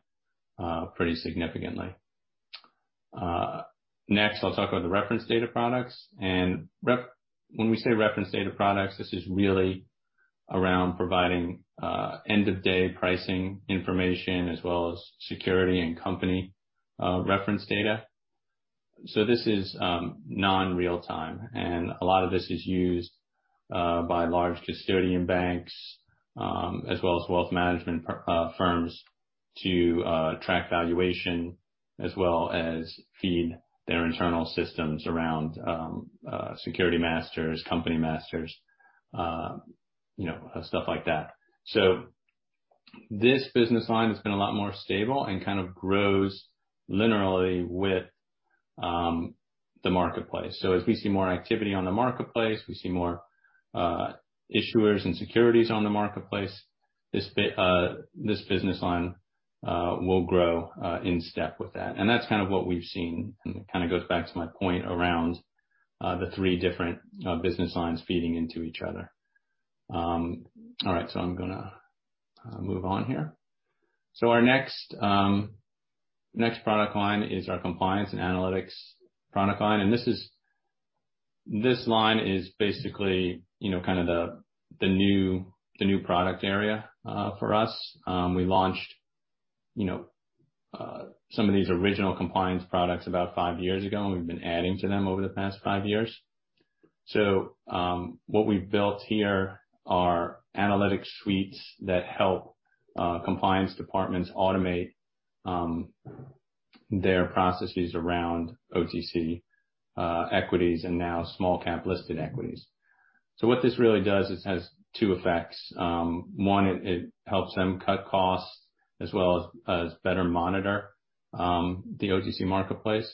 pretty significantly. Next, I'll talk about the reference data products. When we say reference data products, this is really around providing end-of-day pricing information as well as security and company reference data. This is non-real-time. A lot of this is used by large custodian banks as well as wealth management firms to track valuation as well as feed their internal systems around security masters, company masters, stuff like that. This business line has been a lot more stable and kind of grows linearly with the marketplace. As we see more activity on the marketplace, we see more issuers and securities on the marketplace, this business line will grow in step with that. That's kind of what we've seen. It kind of goes back to my point around the three different business lines feeding into each other. All right. I am going to move on here. Our next product line is our compliance and analytics product line. This line is basically kind of the new product area for us. We launched some of these original compliance products about five years ago, and we have been adding to them over the past five years. What we have built here are analytics suites that help compliance departments automate their processes around OTC equities and now small-cap listed equities. What this really does is has two effects. One, it helps them cut costs as well as better monitor the OTC marketplace.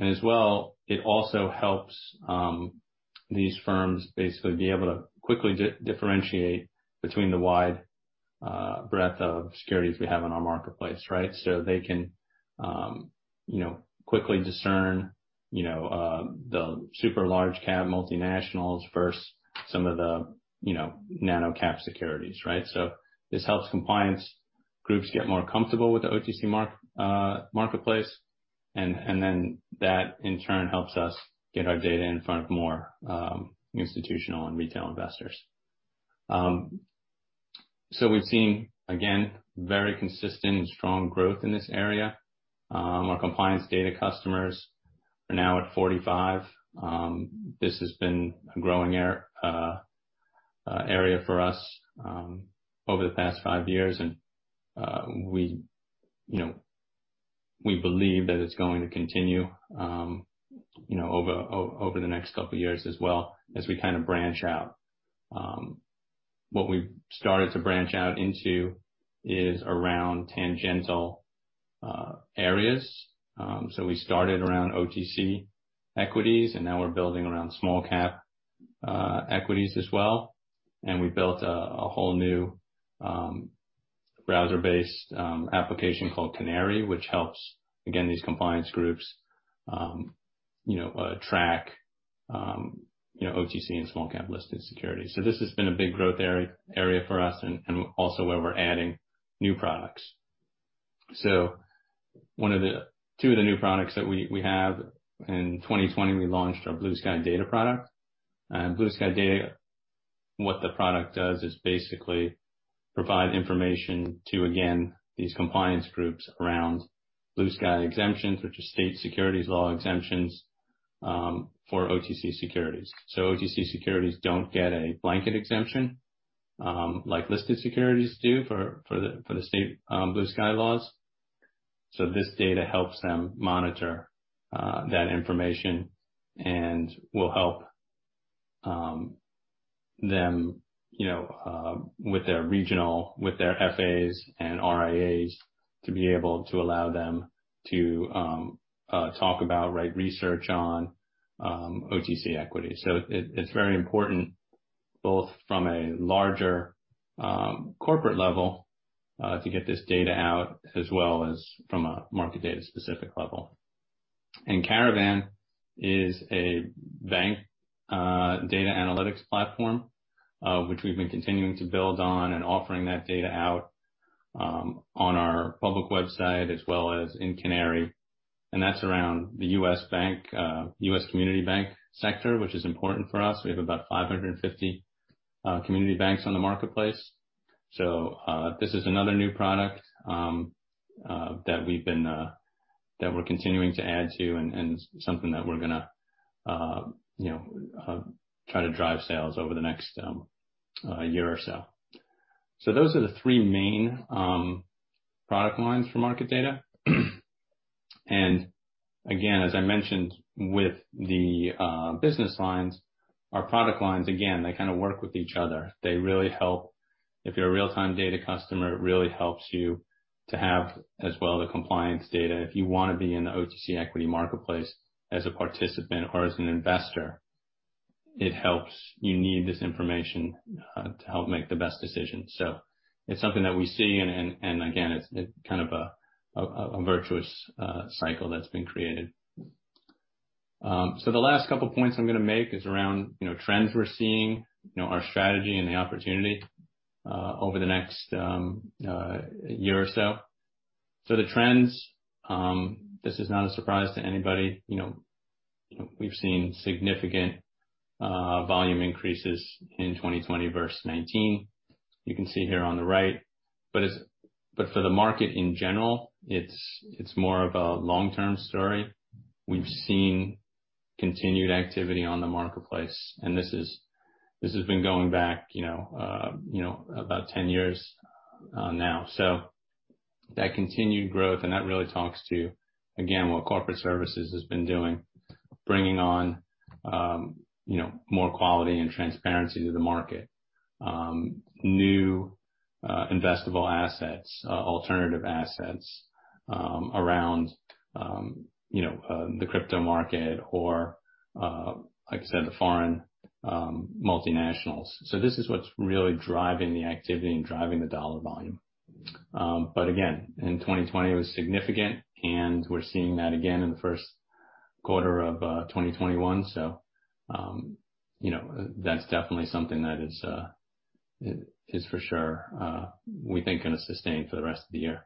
As well, it also helps these firms basically be able to quickly differentiate between the wide breadth of securities we have in our marketplace, right? They can quickly discern the super large-cap multinationals versus some of the nano-cap securities, right? This helps compliance groups get more comfortable with the OTC marketplace. That, in turn, helps us get our data in front of more institutional and retail investors. We've seen, again, very consistent and strong growth in this area. Our compliance data customers are now at 45. This has been a growing area for us over the past five years. We believe that it's going to continue over the next couple of years as well as we kind of branch out. What we've started to branch out into is around tangential areas. We started around OTC equities, and now we're building around small-cap equities as well. We built a whole new browser-based application called Canary, which helps, again, these compliance groups track OTC and small-cap listed securities. This has been a big growth area for us and also where we're adding new products. Two of the new products that we have in 2020, we launched our Blue Sky Data product. Blue Sky Data, what the product does is basically provide information to, again, these compliance groups around Blue Sky exemptions, which are state securities law exemptions for OTC securities. OTC securities do not get a blanket exemption like listed securities do for the state Blue Sky laws. This data helps them monitor that information and will help them with their FAs and RIAs to be able to allow them to talk about, write research on OTC equities. It is very important both from a larger corporate level to get this data out as well as from a market data-specific level. Caravan is a bank data analytics platform, which we've been continuing to build on and offering that data out on our public website as well as in Canary. That's around the US community bank sector, which is important for us. We have about 550 community banks on the marketplace. This is another new product that we've been that we're continuing to add to and something that we're going to try to drive sales over the next year or so. Those are the three main product lines for market data. Again, as I mentioned with the business lines, our product lines, again, they kind of work with each other. If you're a real-time data customer, it really helps you to have as well the compliance data. If you want to be in the OTC equity marketplace as a participant or as an investor, it helps. You need this information to help make the best decision. It is something that we see. Again, it is kind of a virtuous cycle that has been created. The last couple of points I am going to make are around trends we are seeing, our strategy, and the opportunity over the next year or so. The trends, this is not a surprise to anybody. We have seen significant volume increases in 2020 versus 2019. You can see here on the right. For the market in general, it is more of a long-term story. We have seen continued activity on the marketplace. This has been going back about 10 years now. That continued growth really talks to, again, what corporate services has been doing, bringing on more quality and transparency to the market, new investable assets, alternative assets around the crypto market or, like I said, the foreign multinationals. This is what's really driving the activity and driving the dollar volume. Again, in 2020, it was significant, and we're seeing that again in the first quarter of 2021. That's definitely something that is for sure we think going to sustain for the rest of the year.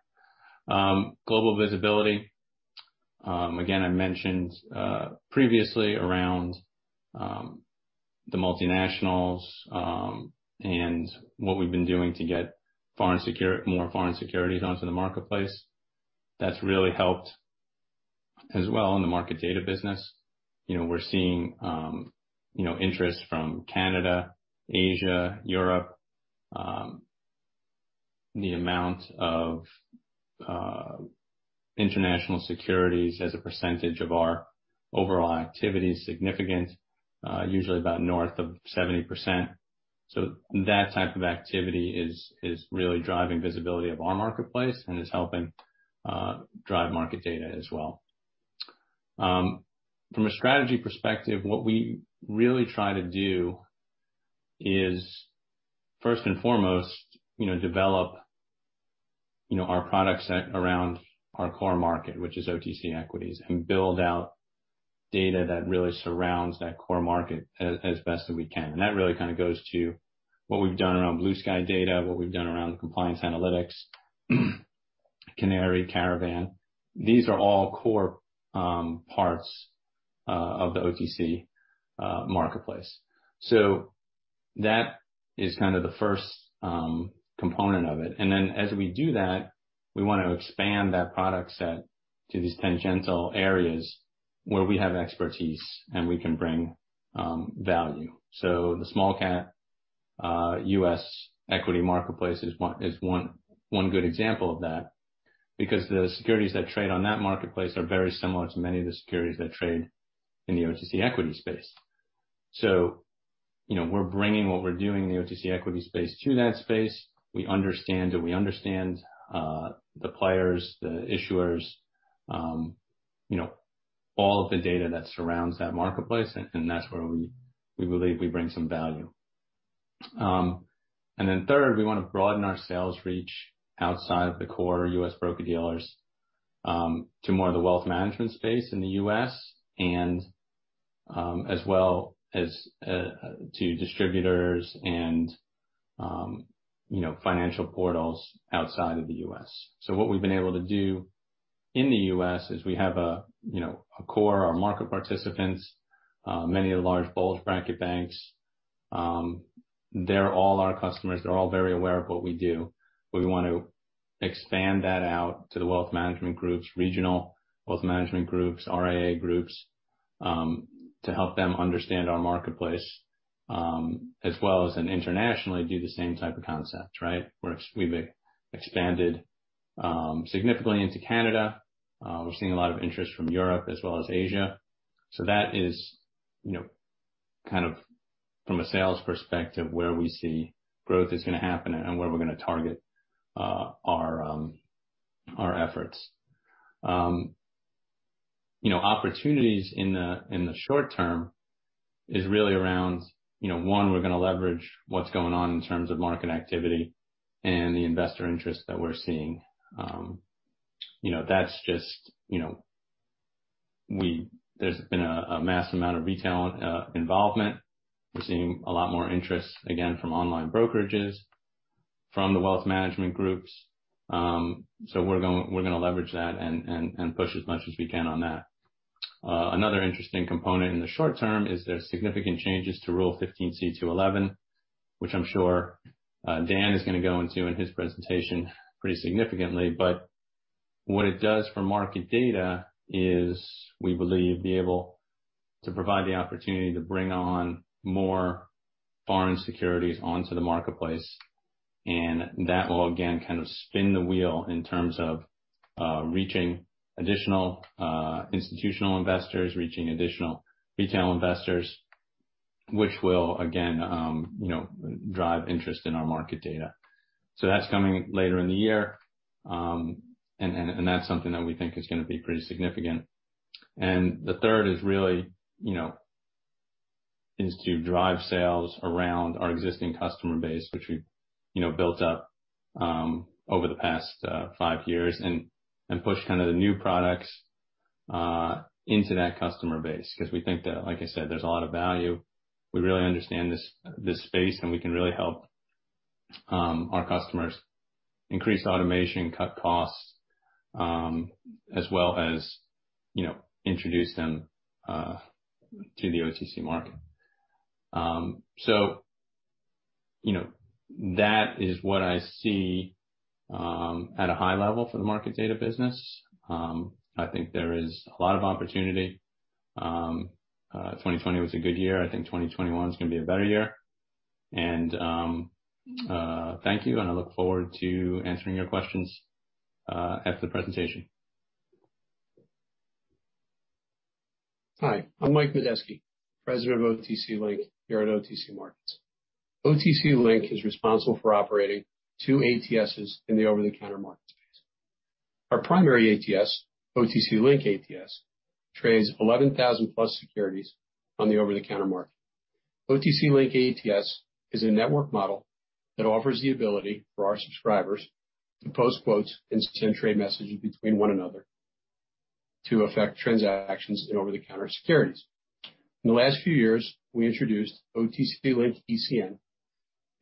Global visibility. Again, I mentioned previously around the multinationals and what we've been doing to get more foreign securities onto the marketplace. That's really helped as well in the market data business. We're seeing interest from Canada, Asia, Europe. The amount of international securities as a percentage of our overall activity is significant, usually about north of 70%. That type of activity is really driving visibility of our marketplace and is helping drive market data as well. From a strategy perspective, what we really try to do is, first and foremost, develop our products around our core market, which is OTC equities, and build out data that really surrounds that core market as best as we can. That really kind of goes to what we've done around Blue Sky Data, what we've done around compliance analytics, Canary, Caravan. These are all core parts of the OTC marketplace. That is kind of the first component of it. As we do that, we want to expand that product set to these tangential areas where we have expertise and we can bring value. The small-cap US equity marketplace is one good example of that because the securities that trade on that marketplace are very similar to many of the securities that trade in the OTC equity space. We're bringing what we're doing in the OTC equity space to that space. We understand that, we understand the players, the issuers, all of the data that surrounds that marketplace. That's where we believe we bring some value. Third, we want to broaden our sales reach outside of the core US broker-dealers to more of the wealth management space in the US as well as to distributors and financial portals outside of the US. What we've been able to do in the US is we have a core of market participants, many of the large bulge bracket banks. They're all our customers. They're all very aware of what we do. We want to expand that out to the wealth management groups, regional wealth management groups, RIA groups to help them understand our marketplace as well as internationally do the same type of concepts, right? We've expanded significantly into Canada. We're seeing a lot of interest from Europe as well as Asia. That is kind of from a sales perspective where we see growth is going to happen and where we're going to target our efforts. Opportunities in the short term is really around, one, we're going to leverage what's going on in terms of market activity and the investor interest that we're seeing. That's just there's been a mass amount of retail involvement. We're seeing a lot more interest, again, from online brokerages, from the wealth management groups. We're going to leverage that and push as much as we can on that. Another interesting component in the short term is there's significant changes to Rule 15c2-11, which I'm sure Dan is going to go into in his presentation pretty significantly. What it does for market data is we believe be able to provide the opportunity to bring on more foreign securities onto the marketplace. That will, again, kind of spin the wheel in terms of reaching additional institutional investors, reaching additional retail investors, which will, again, drive interest in our market data. That is coming later in the year. That is something that we think is going to be pretty significant. The third is really to drive sales around our existing customer base, which we built up over the past five years and push kind of the new products into that customer base because we think that, like I said, there is a lot of value. We really understand this space, and we can really help our customers increase automation, cut costs, as well as introduce them to the OTC market. That is what I see at a high level for the market data business. I think there is a lot of opportunity. 2020 was a good year. I think 2021 is going to be a better year. Thank you. I look forward to answering your questions after the presentation. Hi. I'm Mike Modesky, President of OTC Link here at OTC Markets. OTC Link is responsible for operating two ATSs in the over-the-counter market space. Our primary ATS, OTC Link ATS, trades 11,000-plus securities on the over-the-counter market. OTC Link ATS is a network model that offers the ability for our subscribers to post quotes and send trade messages between one another to affect transactions in over-the-counter securities. In the last few years, we introduced OTC Link ECN,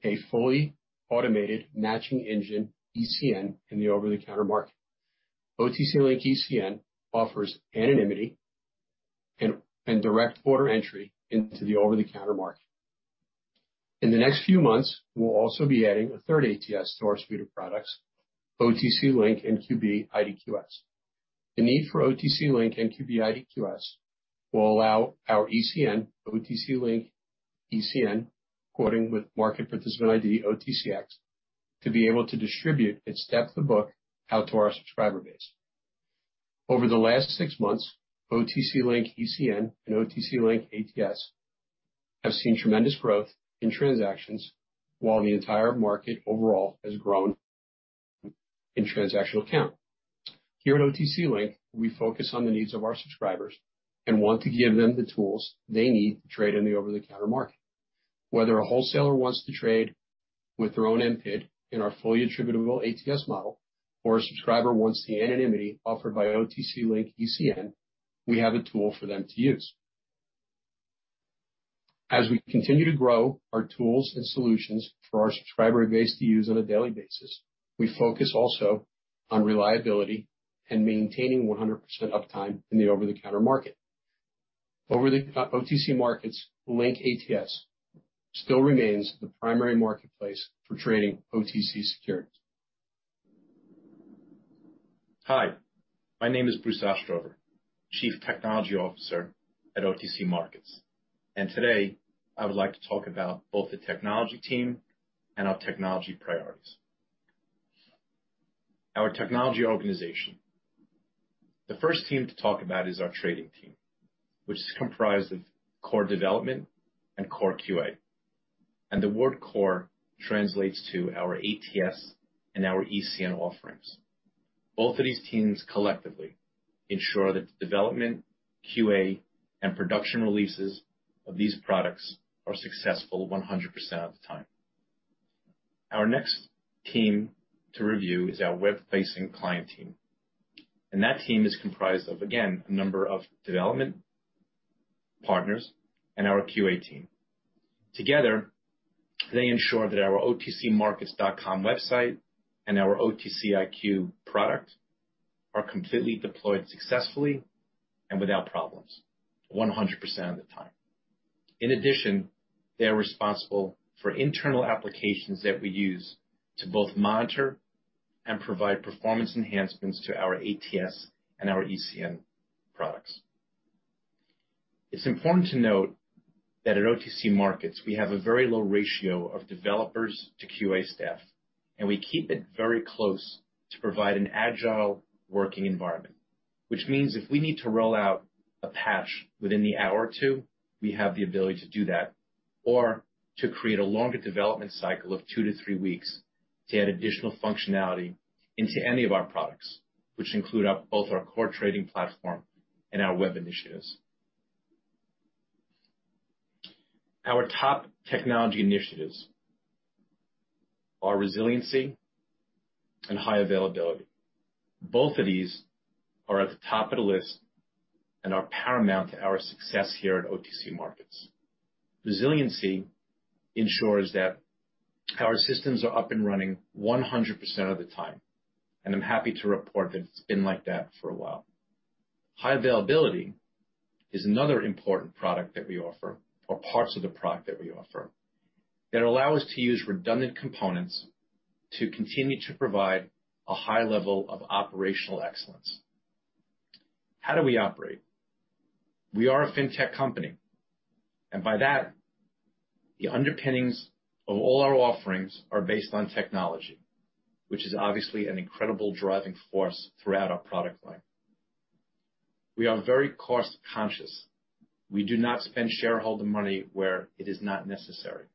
a fully automated matching engine ECN in the over-the-counter market. OTC Link ECN offers anonymity and direct order entry into the over-the-counter market. In the next few months, we'll also be adding a third ATS to our suite of products, OTC Link NBBO IDQS. The need for OTC Link NBBO IDQS will allow our ECN, OTC Link ECN, quoting with market participant ID OTCX, to be able to distribute its depth of book out to our subscriber base. Over the last six months, OTC Link ECN and OTC Link ATS have seen tremendous growth in transactions while the entire market overall has grown in transactional count. Here at OTC Link, we focus on the needs of our subscribers and want to give them the tools they need to trade in the over-the-counter market. Whether a wholesaler wants to trade with their own MPID in our fully attributable ATS model or a subscriber wants the anonymity offered by OTC Link ECN, we have a tool for them to use. As we continue to grow our tools and solutions for our subscriber base to use on a daily basis, we focus also on reliability and maintaining 100% uptime in the over-the-counter market. Over the OTC markets, Link ATS still remains the primary marketplace for trading OTC securities. Hi. My name is Bruce Ostrover, Chief Technology Officer at OTC Markets. Today, I would like to talk about both the technology team and our technology priorities. Our technology organization. The first team to talk about is our trading team, which is comprised of core development and core QA. The word core translates to our ATS and our ECN offerings. Both of these teams collectively ensure that the development, QA, and production releases of these products are successful 100% of the time. Our next team to review is our web-facing client team. That team is comprised of, again, a number of development partners and our QA team. Together, they ensure that our OTCMarkets.com website and our OTCIQ product are completely deployed successfully and without problems 100% of the time. In addition, they are responsible for internal applications that we use to both monitor and provide performance enhancements to our ATS and our ECN products. It's important to note that at OTC Markets, we have a very low ratio of developers to QA staff, and we keep it very close to provide an agile working environment, which means if we need to roll out a patch within the hour or two, we have the ability to do that or to create a longer development cycle of two to three weeks to add additional functionality into any of our products, which include both our core trading platform and our web initiatives. Our top technology initiatives are resiliency and high availability. Both of these are at the top of the list and are paramount to our success here at OTC Markets. Resiliency ensures that our systems are up and running 100% of the time. I'm happy to report that it's been like that for a while. High availability is another important product that we offer or parts of the product that we offer that allow us to use redundant components to continue to provide a high level of operational excellence. How do we operate? We are a fintech company. By that, the underpinnings of all our offerings are based on technology, which is obviously an incredible driving force throughout our product line. We are very cost-conscious. We do not spend shareholder money where it is not necessary.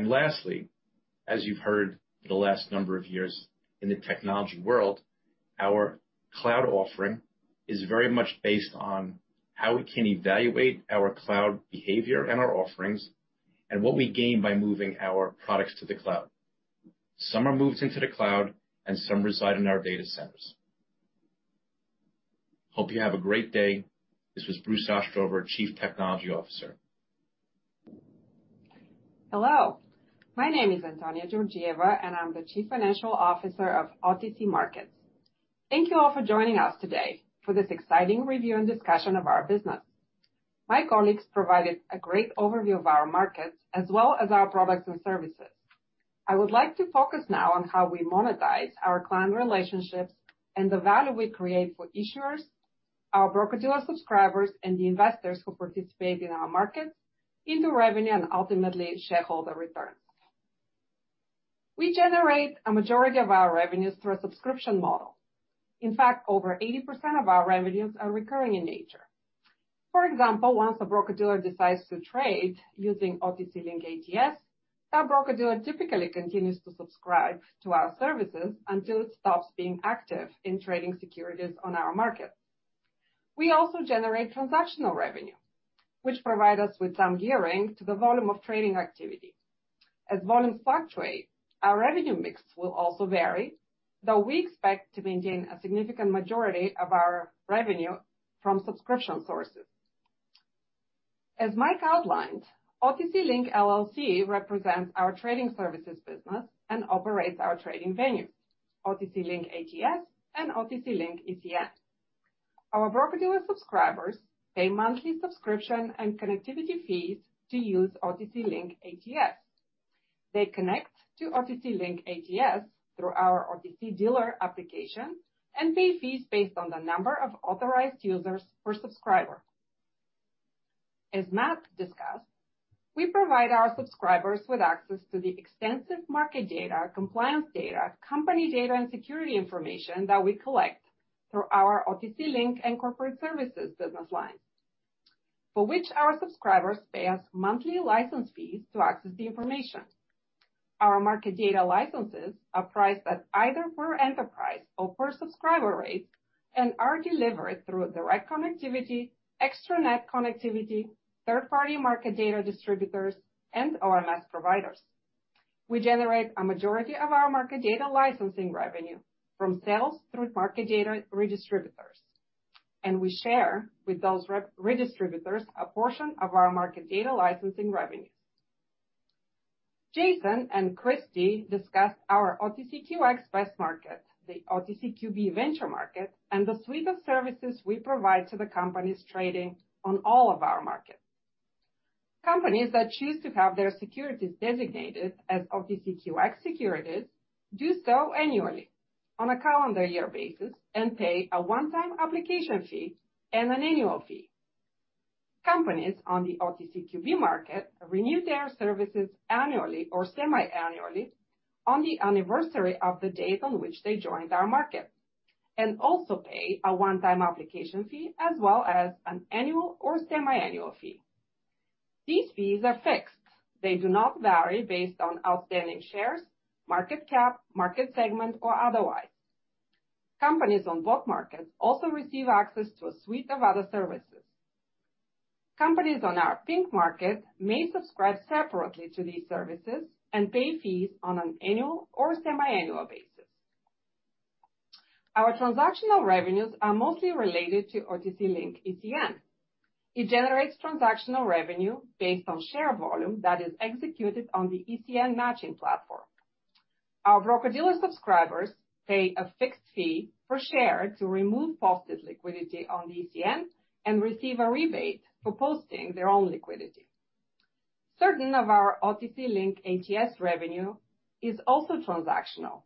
Lastly, as you've heard the last number of years in the technology world, our cloud offering is very much based on how we can evaluate our cloud behavior and our offerings and what we gain by moving our products to the cloud. Some are moved into the cloud, and some reside in our data centers. Hope you have a great day. This was Bruce Ostrover, Chief Technology Officer. Hello. My name is Antonia Georgieva, and I'm the Chief Financial Officer of OTC Markets. Thank you all for joining us today for this exciting review and discussion of our business. My colleagues provided a great overview of our markets as well as our products and services. I would like to focus now on how we monetize our client relationships and the value we create for issuers, our broker-dealer subscribers, and the investors who participate in our markets into revenue and ultimately shareholder returns. We generate a majority of our revenues through a subscription model. In fact, over 80% of our revenues are recurring in nature. For example, once a broker-dealer decides to trade using OTC Link ATS, that broker-dealer typically continues to subscribe to our services until it stops being active in trading securities on our market. We also generate transactional revenue, which provides us with some gearing to the volume of trading activity. As volumes fluctuate, our revenue mix will also vary, though we expect to maintain a significant majority of our revenue from subscription sources. As Mike outlined, OTC Link represents our trading services business and operates our trading venues, OTC Link ATS and OTC Link ECN. Our broker-dealer subscribers pay monthly subscription and connectivity fees to use OTC Link ATS. They connect to OTC Link ATS through our OTC dealer application and pay fees based on the number of authorized users per subscriber. As Matt discussed, we provide our subscribers with access to the extensive market data, compliance data, company data, and security information that we collect through our OTC Link and corporate services business lines, for which our subscribers pay us monthly license fees to access the information. Our market data licenses are priced at either per enterprise or per subscriber rates and are delivered through direct connectivity, extranet connectivity, third-party market data distributors, and OMS providers. We generate a majority of our market data licensing revenue from sales through market data redistributors, and we share with those redistributors a portion of our market data licensing revenues. Jason and Kristie discussed our OTCQX Best Market, the OTCQB Venture Market, and the suite of services we provide to the companies trading on all of our markets. Companies that choose to have their securities designated as OTCQX securities do so annually on a calendar year basis and pay a one-time application fee and an annual fee. Companies on the OTCQB market renew their services annually or semi-annually on the anniversary of the date on which they joined our market and also pay a one-time application fee as well as an annual or semi-annual fee. These fees are fixed. They do not vary based on outstanding shares, market cap, market segment, or otherwise. Companies on both markets also receive access to a suite of other services. Companies on our Pink Market may subscribe separately to these services and pay fees on an annual or semi-annual basis. Our transactional revenues are mostly related to OTC Link ECN. It generates transactional revenue based on share volume that is executed on the ECN matching platform. Our broker-dealer subscribers pay a fixed fee per share to remove posted liquidity on the ECN and receive a rebate for posting their own liquidity. Certain of our OTC Link ATS revenue is also transactional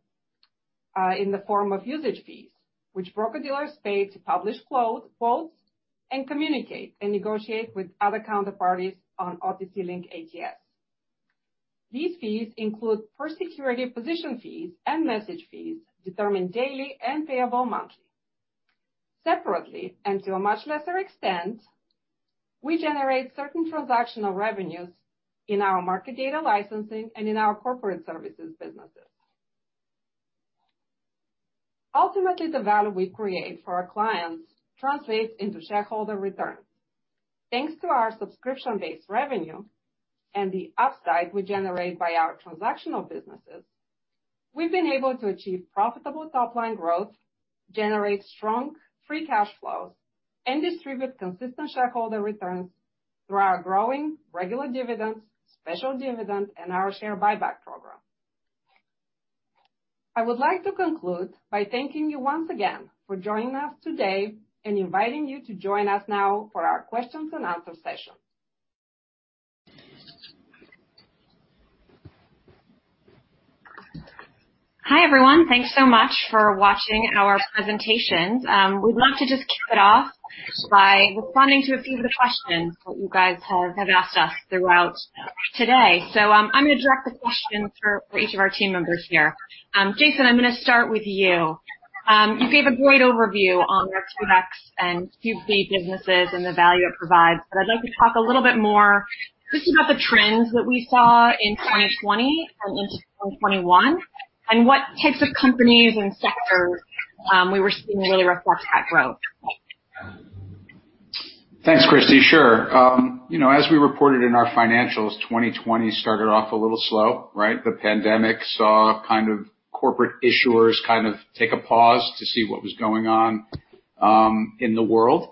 in the form of usage fees, which broker-dealers pay to publish quotes and communicate and negotiate with other counterparties on OTC Link ATS. These fees include per security position fees and message fees determined daily and payable monthly. Separately, and to a much lesser extent, we generate certain transactional revenues in our market data licensing and in our corporate services businesses. Ultimately, the value we create for our clients translates into shareholder returns. Thanks to our subscription-based revenue and the upside we generate by our transactional businesses, we've been able to achieve profitable top-line growth, generate strong free cash flows, and distribute consistent shareholder returns through our growing regular dividends, special dividend, and our share buyback program. I would like to conclude by thanking you once again for joining us today and inviting you to join us now for our questions and answers session. Hi, everyone. Thanks so much for watching our presentations. We'd love to just kick it off by responding to a few of the questions that you guys have asked us throughout today. I'm going to direct the question for each of our team members here. Jason, I'm going to start with you. You gave a great overview on the QX and QB businesses and the value it provides. I'd like to talk a little bit more just about the trends that we saw in 2020 and into 2021 and what types of companies and sectors we were seeing really reflect that growth. Thanks, Kristie. Sure. As we reported in our financials, 2020 started off a little slow, right? The pandemic saw kind of corporate issuers kind of take a pause to see what was going on in the world.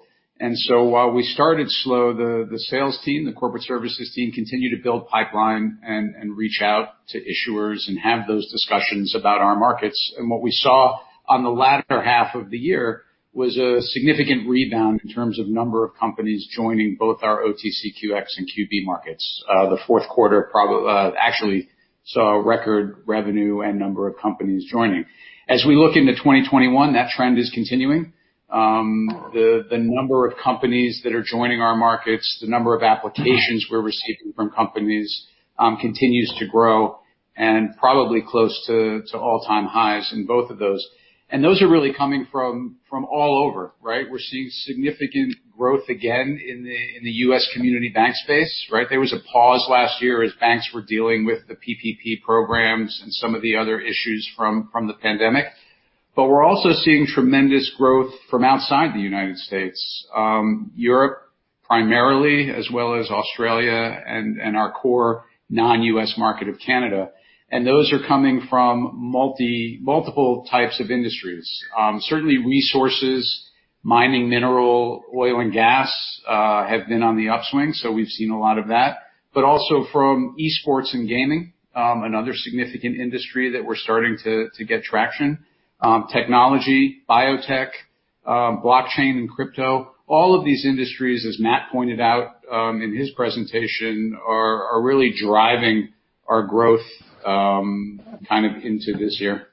While we started slow, the sales team, the corporate services team continued to build pipeline and reach out to issuers and have those discussions about our markets. What we saw on the latter half of the year was a significant rebound in terms of number of companies joining both our OTCQX and QB markets. The fourth quarter actually saw record revenue and number of companies joining. As we look into 2021, that trend is continuing. The number of companies that are joining our markets, the number of applications we're receiving from companies continues to grow and probably close to all-time highs in both of those. Those are really coming from all over, right? We're seeing significant growth again in the US community bank space, right? There was a pause last year as banks were dealing with the PPP programs and some of the other issues from the pandemic. We are also seeing tremendous growth from outside the United States, Europe primarily, as well as Australia and our core non-US market of Canada. Those are coming from multiple types of industries. Certainly, resources, mining mineral, oil and gas have been on the upswing, so we've seen a lot of that. Also from esports and gaming, another significant industry that we're starting to get traction, technology, biotech, blockchain, and crypto. All of these industries, as Matt pointed out in his presentation, are really driving our growth kind of into this year.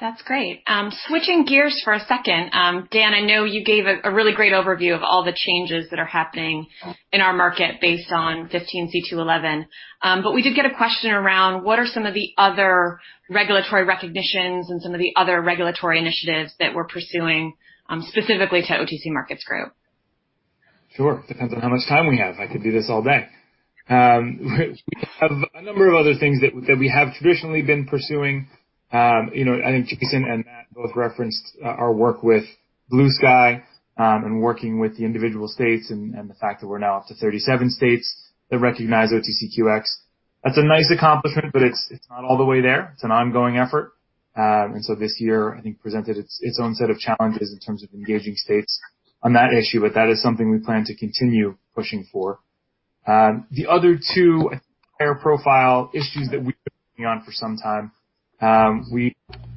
That's great. Switching gears for a second, Dan, I know you gave a really great overview of all the changes that are happening in our market based on 15c2-11. We did get a question around what are some of the other regulatory recognitions and some of the other regulatory initiatives that we're pursuing specifically to OTC Markets Group? Sure. Depends on how much time we have. I could do this all day. We have a number of other things that we have traditionally been pursuing. I think Jason and Matt both referenced our work with Blue Sky and working with the individual states and the fact that we're now up to 37 states that recognize OTCQX. That's a nice accomplishment, but it's not all the way there. It's an ongoing effort. This year, I think, presented its own set of challenges in terms of engaging states on that issue. That is something we plan to continue pushing for. The other two higher profile issues that we've been working on for some time, we were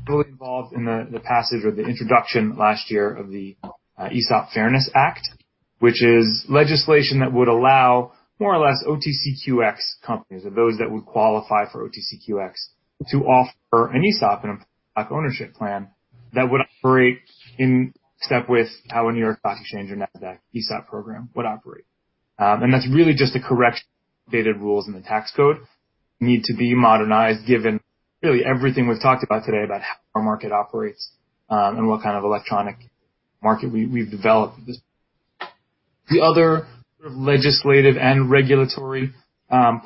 heavily involved in the passage or the introduction last year of the ESOP Fairness Act, which is legislation that would allow more or less OTCQX companies, or those that would qualify for OTCQX, to offer an ESOP, an ownership plan, that would operate in step with how a New York Stock Exchange or NASDAQ ESOP program would operate. That's really just a correction of the updated rules in the tax code that need to be modernized given really everything we've talked about today about how our market operates and what kind of electronic market we've developed. The other legislative and regulatory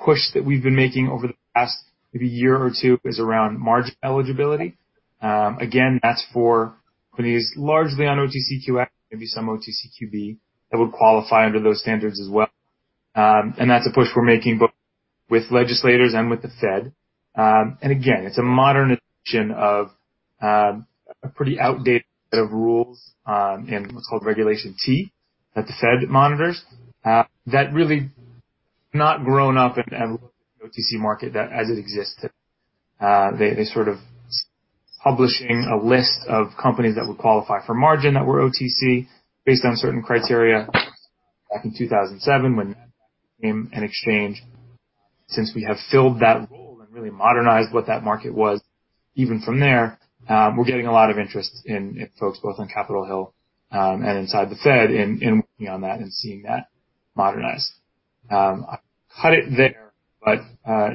push that we've been making over the past maybe year or two is around margin eligibility. Again, that's for companies largely on OTCQX, maybe some OTCQB that would qualify under those standards as well. That's a push we're making both with legislators and with the Fed. It's a modernization of a pretty outdated set of rules in what's called Regulation T that the Fed monitors that really have not grown up and looked at the OTC market as it exists today. They're sort of publishing a list of companies that would qualify for margin that were OTC based on certain criteria back in 2007 when NASDAQ became an exchange. Since we have filled that role and really modernized what that market was even from there, we're getting a lot of interest in folks both on Capitol Hill and inside the Fed in working on that and seeing that modernized. I'll cut it there, but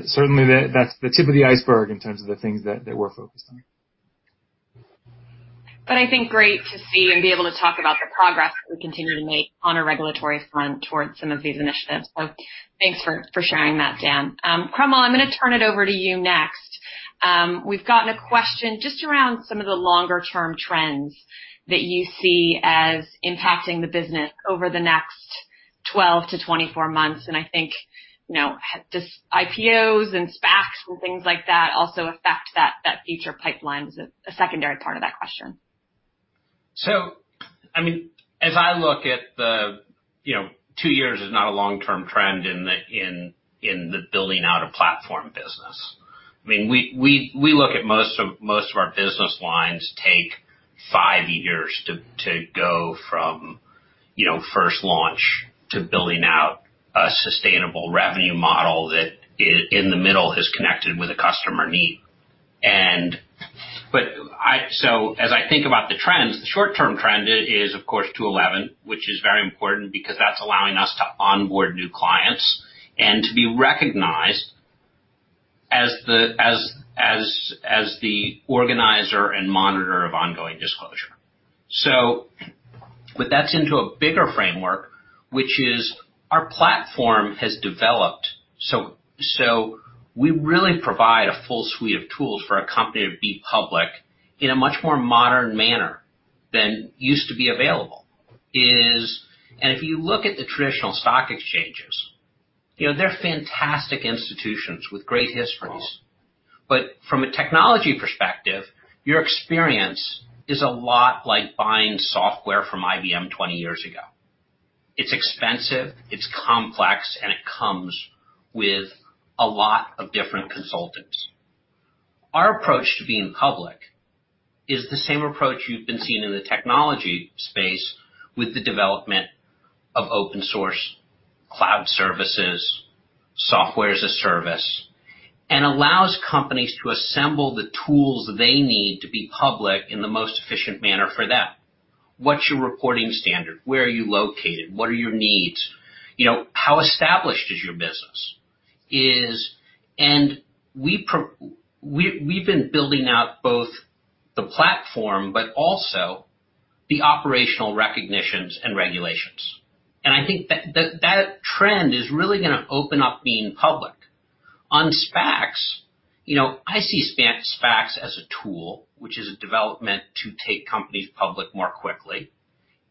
certainly, that's the tip of the iceberg in terms of the things that we're focused on. I think great to see and be able to talk about the progress that we continue to make on a regulatory front towards some of these initiatives. Thanks for sharing that, Dan. Cromwell, I'm going to turn it over to you next. We've gotten a question just around some of the longer-term trends that you see as impacting the business over the next 12 to 24 months. I think does IPOs and SPACs and things like that also affect that future pipeline? It's a secondary part of that question. I mean, as I look at the two years is not a long-term trend in the building out of platform business. I mean, we look at most of our business lines take five years to go from first launch to building out a sustainable revenue model that in the middle has connected with a customer need. As I think about the trends, the short-term trend is, of course, 211, which is very important because that's allowing us to onboard new clients and to be recognized as the organizer and monitor of ongoing disclosure. That fits into a bigger framework, which is our platform has developed. We really provide a full suite of tools for a company to be public in a much more modern manner than used to be available. If you look at the traditional stock exchanges, they're fantastic institutions with great histories. From a technology perspective, your experience is a lot like buying software from IBM 20 years ago. It's expensive, it's complex, and it comes with a lot of different consultants. Our approach to being public is the same approach you've been seeing in the technology space with the development of open-source cloud services, software as a service, and allows companies to assemble the tools they need to be public in the most efficient manner for them. What's your reporting standard? Where are you located? What are your needs? How established is your business? We've been building out both the platform but also the operational recognitions and regulations. I think that trend is really going to open up being public. On SPACs, I see SPACs as a tool, which is a development to take companies public more quickly.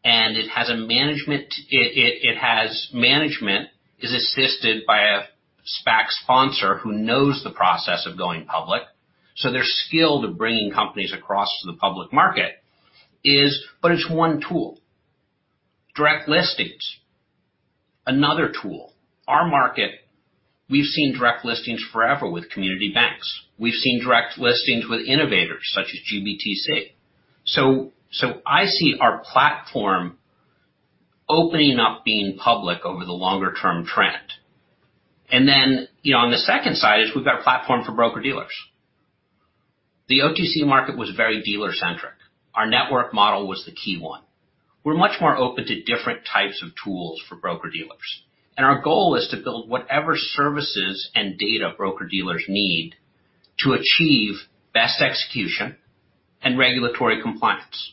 It has a management, it has management is assisted by a SPAC sponsor who knows the process of going public. Their skill to bringing companies across to the public market is, but it's one tool. Direct listings, another tool. Our market, we've seen direct listings forever with community banks. We've seen direct listings with innovators such as GBTC. I see our platform opening up being public over the longer-term trend. On the second side is we've got a platform for broker-dealers. The OTC market was very dealer-centric. Our network model was the key one. We're much more open to different types of tools for broker-dealers. Our goal is to build whatever services and data broker-dealers need to achieve best execution and regulatory compliance.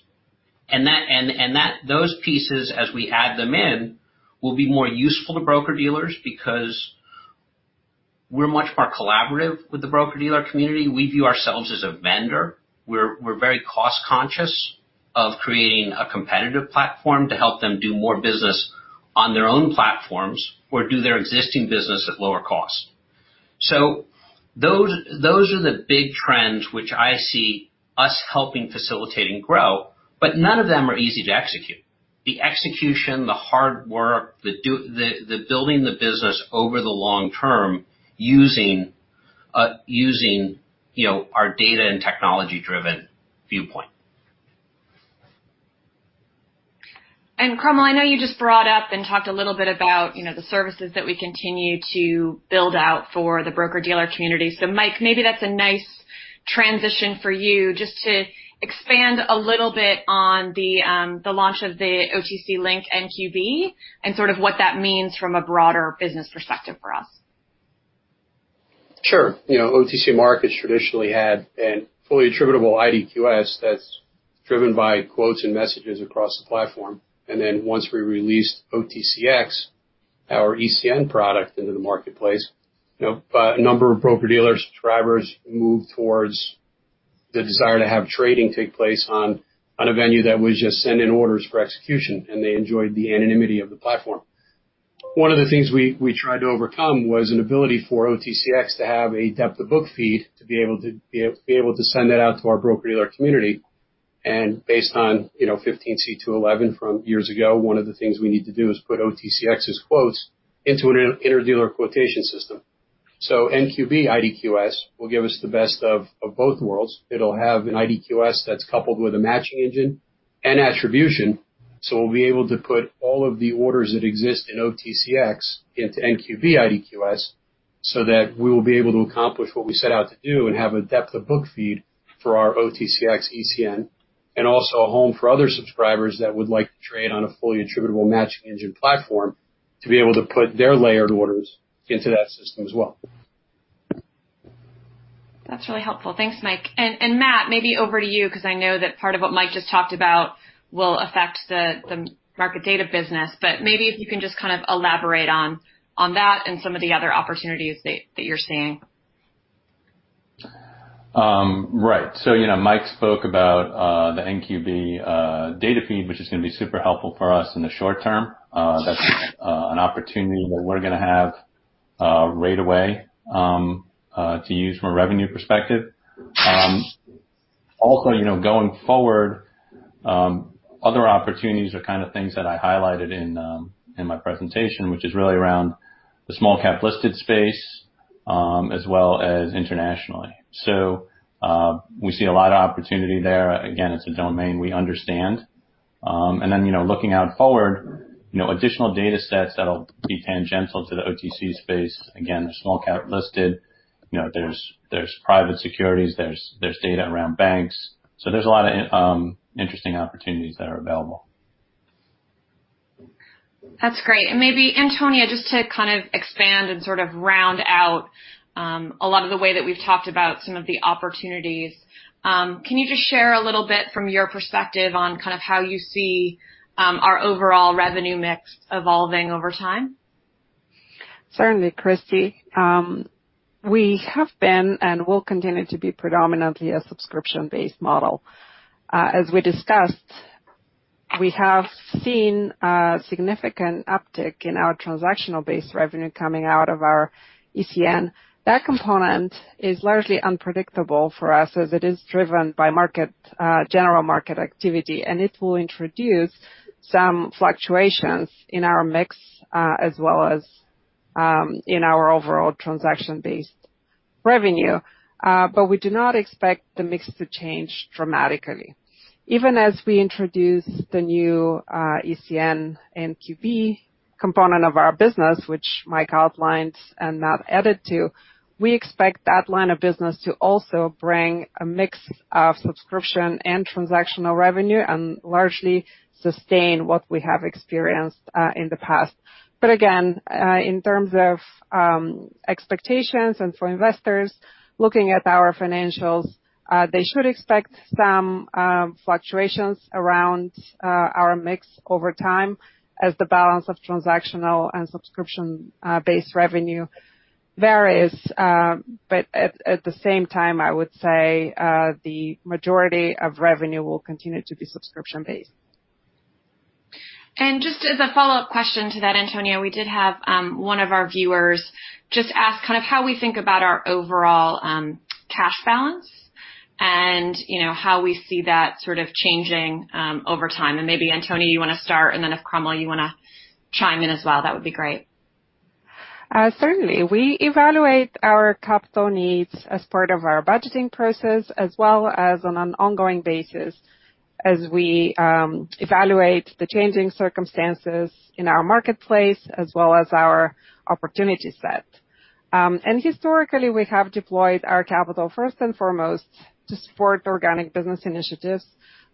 Those pieces, as we add them in, will be more useful to broker-dealers because we're much more collaborative with the broker-dealer community. We view ourselves as a vendor. We're very cost-conscious of creating a competitive platform to help them do more business on their own platforms or do their existing business at lower cost. Those are the big trends which I see us helping facilitate and grow, but none of them are easy to execute. The execution, the hard work, the building the business over the long term using our data and technology-driven viewpoint. Cromwell, I know you just brought up and talked a little bit about the services that we continue to build out for the broker-dealer community. Mike, maybe that's a nice transition for you just to expand a little bit on the launch of the OTC Link NBBO and sort of what that means from a broader business perspective for us. Sure. OTC Markets traditionally had a fully attributable IDQS that's driven by quotes and messages across the platform. Once we released OTCX, our ECN product into the marketplace, a number of broker-dealers' subscribers moved towards the desire to have trading take place on a venue that was just sending orders for execution, and they enjoyed the anonymity of the platform. One of the things we tried to overcome was an ability for OTCX to have a depth-of-book feed to be able to send that out to our broker-dealer community. Based on 15c2-11 from years ago, one of the things we need to do is put OTCX's quotes into an inter-dealer quotation system. NBBO IDQS will give us the best of both worlds. It'll have an IDQS that's coupled with a matching engine and attribution. We'll be able to put all of the orders that exist in OTCX into NBBO IDQS so that we will be able to accomplish what we set out to do and have a depth-of-book feed for our OTCX ECN and also a home for other subscribers that would like to trade on a fully attributable matching engine platform to be able to put their layered orders into that system as well. That's really helpful. Thanks, Mike. Matt, maybe over to you because I know that part of what Mike just talked about will affect the market data business. Maybe if you can just kind of elaborate on that and some of the other opportunities that you're seeing. Right. Mike spoke about the NBBO data feed, which is going to be super helpful for us in the short term. That's an opportunity that we're going to have right away to use from a revenue perspective. Also, going forward, other opportunities are kind of things that I highlighted in my presentation, which is really around the small-cap listed space as well as internationally. We see a lot of opportunity there. Again, it's a domain we understand. Looking out forward, additional data sets that'll be tangential to the OTC space. Again, small-cap listed, there's private securities, there's data around banks. There are a lot of interesting opportunities that are available. That's great. Maybe, Antonia, just to kind of expand and sort of round out a lot of the way that we've talked about some of the opportunities, can you just share a little bit from your perspective on kind of how you see our overall revenue mix evolving over time? Certainly, Kristie. We have been and will continue to be predominantly a subscription-based model. As we discussed, we have seen a significant uptick in our transactional-based revenue coming out of our ECN. That component is largely unpredictable for us as it is driven by general market activity. It will introduce some fluctuations in our mix as well as in our overall transaction-based revenue. We do not expect the mix to change dramatically. Even as we introduce the new ECN NQB component of our business, which Mike outlined and Matt added to, we expect that line of business to also bring a mix of subscription and transactional revenue and largely sustain what we have experienced in the past. Again, in terms of expectations and for investors looking at our financials, they should expect some fluctuations around our mix over time as the balance of transactional and subscription-based revenue varies. At the same time, I would say the majority of revenue will continue to be subscription-based. Just as a follow-up question to that, Antonia, we did have one of our viewers just ask kind of how we think about our overall cash balance and how we see that sort of changing over time. Maybe, Antonia, you want to start, and then if Cromwell, you want to chime in as well, that would be great. Certainly. We evaluate our capital needs as part of our budgeting process as well as on an ongoing basis as we evaluate the changing circumstances in our marketplace as well as our opportunity set. Historically, we have deployed our capital first and foremost to support organic business initiatives.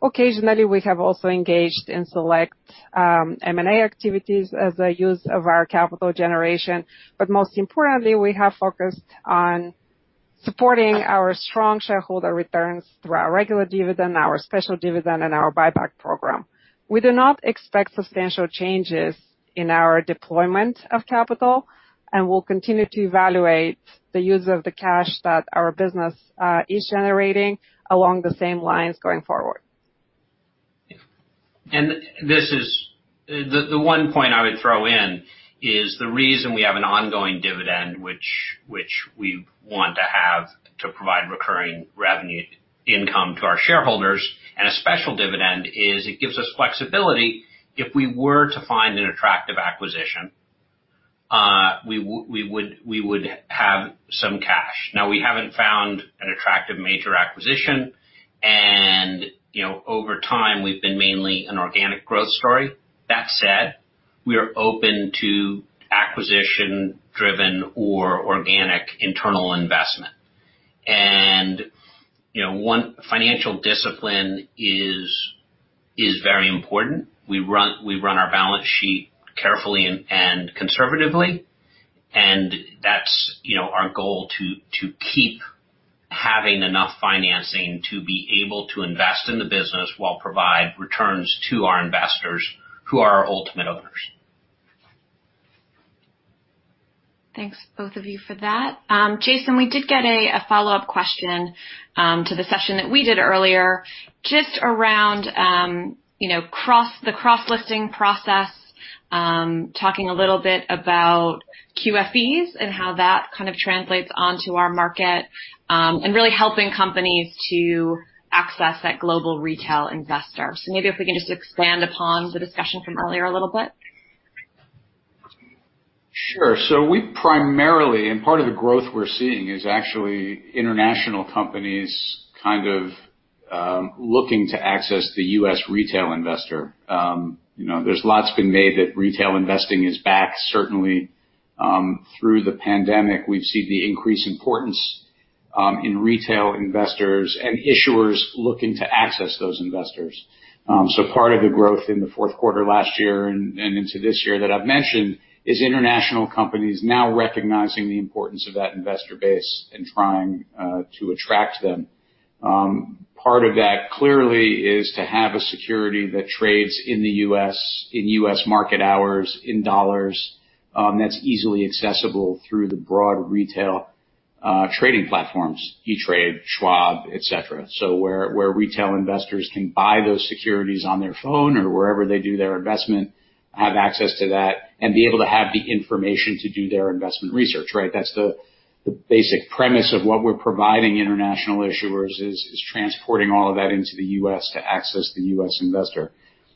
Occasionally, we have also engaged in select M&A activities as a use of our capital generation. Most importantly, we have focused on supporting our strong shareholder returns through our regular dividend, our special dividend, and our buyback program. We do not expect substantial changes in our deployment of capital, and we will continue to evaluate the use of the cash that our business is generating along the same lines going forward. The one point I would throw in is the reason we have an ongoing dividend, which we want to have to provide recurring revenue income to our shareholders, and a special dividend is it gives us flexibility. If we were to find an attractive acquisition, we would have some cash. Now, we have not found an attractive major acquisition, and over time, we have been mainly an organic growth story. That said, we are open to acquisition-driven or organic internal investment. Financial discipline is very important. We run our balance sheet carefully and conservatively, and that's our goal to keep having enough financing to be able to invest in the business while provide returns to our investors who are our ultimate owners. Thanks, both of you, for that. Jason, we did get a follow-up question to the session that we did earlier just around the cross-listing process, talking a little bit about QFEs and how that kind of translates onto our market and really helping companies to access that global retail investor. Maybe if we can just expand upon the discussion from earlier a little bit. Sure. We primarily and part of the growth we're seeing is actually international companies kind of looking to access the US retail investor. There's lots been made that retail investing is back. Certainly, through the pandemic, we've seen the increased importance in retail investors and issuers looking to access those investors. Part of the growth in the fourth quarter last year and into this year that I've mentioned is international companies now recognizing the importance of that investor base and trying to attract them. Part of that clearly is to have a security that trades in the US, in US market hours, in dollars that's easily accessible through the broad retail trading platforms, E*TRADE, Schwab, etc., where retail investors can buy those securities on their phone or wherever they do their investment, have access to that, and be able to have the information to do their investment research, right? That's the basic premise of what we're providing international issuers is transporting all of that into the US to access the US investor.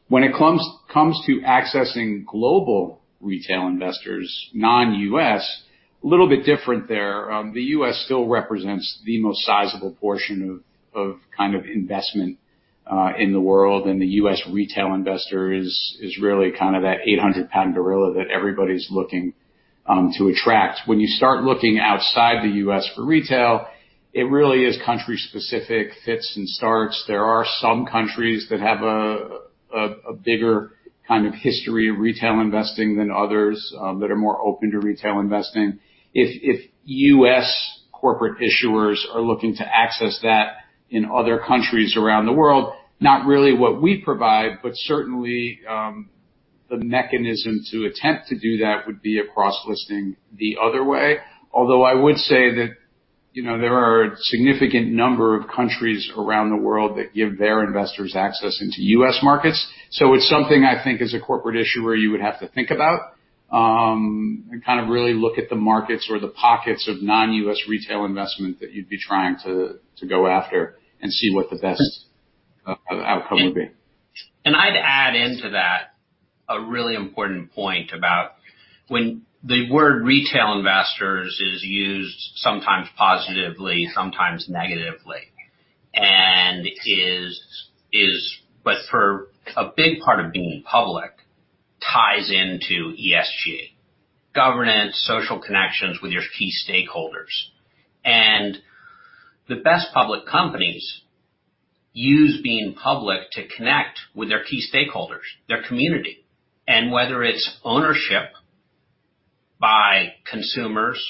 When it comes to accessing global retail investors, non-US, a little bit different there. The US still represents the most sizable portion of kind of investment in the world, and the US retail investor is really kind of that 800-pound gorilla that everybody's looking to attract. When you start looking outside the US for retail, it really is country-specific, fits and starts. There are some countries that have a bigger kind of history of retail investing than others that are more open to retail investing. If US corporate issuers are looking to access that in other countries around the world, not really what we provide, but certainly the mechanism to attempt to do that would be a cross-listing the other way. Although I would say that there are a significant number of countries around the world that give their investors access into US markets. It's something I think as a corporate issuer you would have to think about and kind of really look at the markets or the pockets of non-U.S. retail investment that you'd be trying to go after and see what the best outcome would be. I'd add into that a really important point about when the word retail investors is used sometimes positively, sometimes negatively, but for a big part of being public ties into ESG, governance, social connections with your key stakeholders. The best public companies use being public to connect with their key stakeholders, their community. Whether it's ownership by consumers,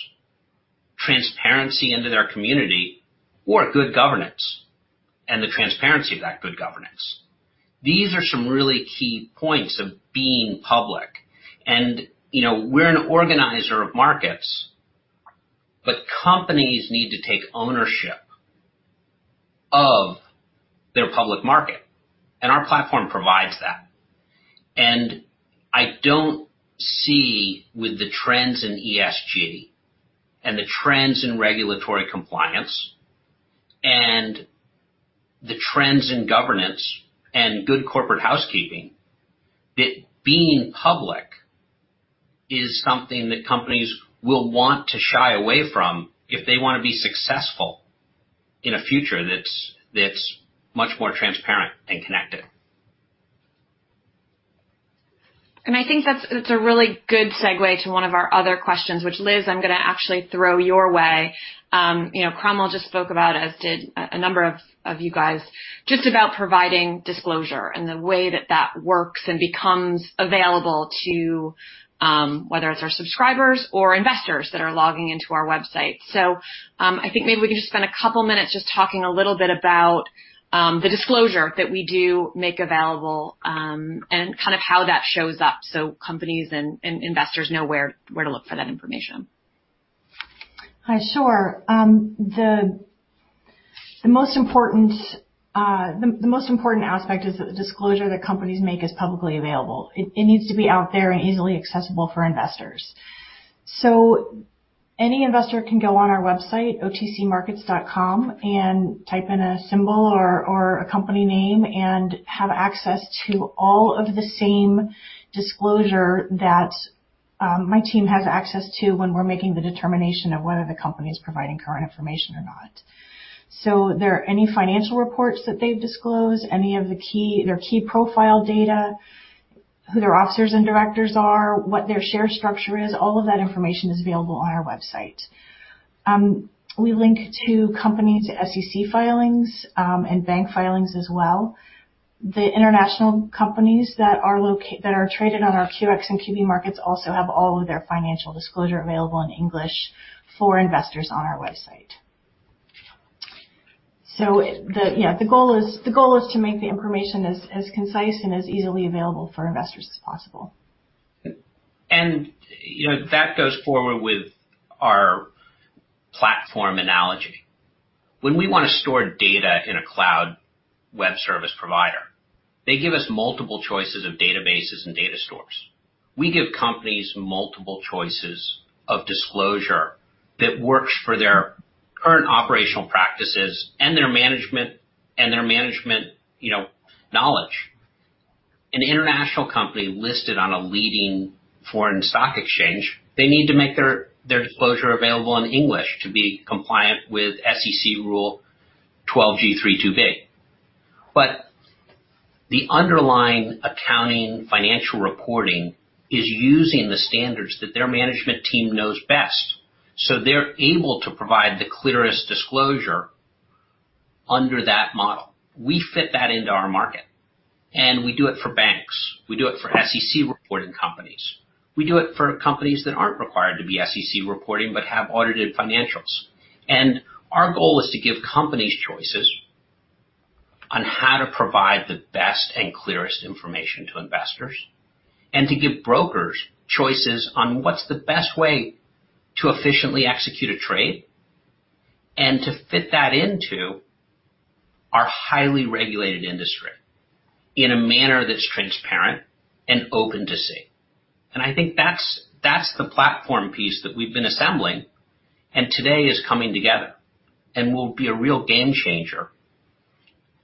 transparency into their community, or good governance and the transparency of that good governance, these are some really key points of being public. We're an organizer of markets, but companies need to take ownership of their public market. Our platform provides that. I don't see with the trends in ESG and the trends in regulatory compliance and the trends in governance and good corporate housekeeping that being public is something that companies will want to shy away from if they want to be successful in a future that's much more transparent and connected. I think that's a really good segue to one of our other questions, which, Liz, I'm going to actually throw your way. Cromwell just spoke about, as did a number of you guys, just about providing disclosure and the way that that works and becomes available to whether it's our subscribers or investors that are logging into our website. I think maybe we can just spend a couple of minutes just talking a little bit about the disclosure that we do make available and kind of how that shows up so companies and investors know where to look for that information. Sure. The most important aspect is that the disclosure that companies make is publicly available. It needs to be out there and easily accessible for investors. Any investor can go on our website, otcmarkets.com, and type in a symbol or a company name and have access to all of the same disclosure that my team has access to when we're making the determination of whether the company is providing current information or not. Any financial reports that they disclose, any of their key profile data, who their officers and directors are, what their share structure is, all of that information is available on our website. We link to companies' SEC filings and bank filings as well. The international companies that are traded on our QX and QB markets also have all of their financial disclosure available in English for investors on our website. Yeah, the goal is to make the information as concise and as easily available for investors as possible. That goes forward with our platform analogy. When we want to store data in a cloud web service provider, they give us multiple choices of databases and data stores. We give companies multiple choices of disclosure that works for their current operational practices and their management knowledge. An international company listed on a leading foreign stock exchange, they need to make their disclosure available in English to be compliant with SEC Rule 12G3-2(b). The underlying accounting financial reporting is using the standards that their management team knows best. They are able to provide the clearest disclosure under that model. We fit that into our market. We do it for banks. We do it for SEC reporting companies. We do it for companies that are not required to be SEC reporting but have audited financials. Our goal is to give companies choices on how to provide the best and clearest information to investors and to give brokers choices on what is the best way to efficiently execute a trade and to fit that into our highly regulated industry in a manner that is transparent and open to see. I think that is the platform piece that we have been assembling and today is coming together and will be a real game changer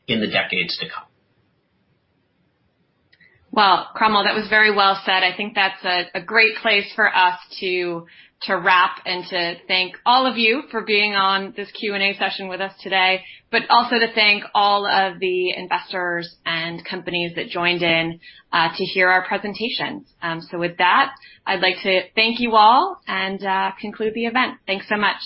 in the decades to come. Cromwell, that was very well said. I think that's a great place for us to wrap and to thank all of you for being on this Q&A session with us today, but also to thank all of the investors and companies that joined in to hear our presentations. With that, I'd like to thank you all and conclude the event. Thanks so much.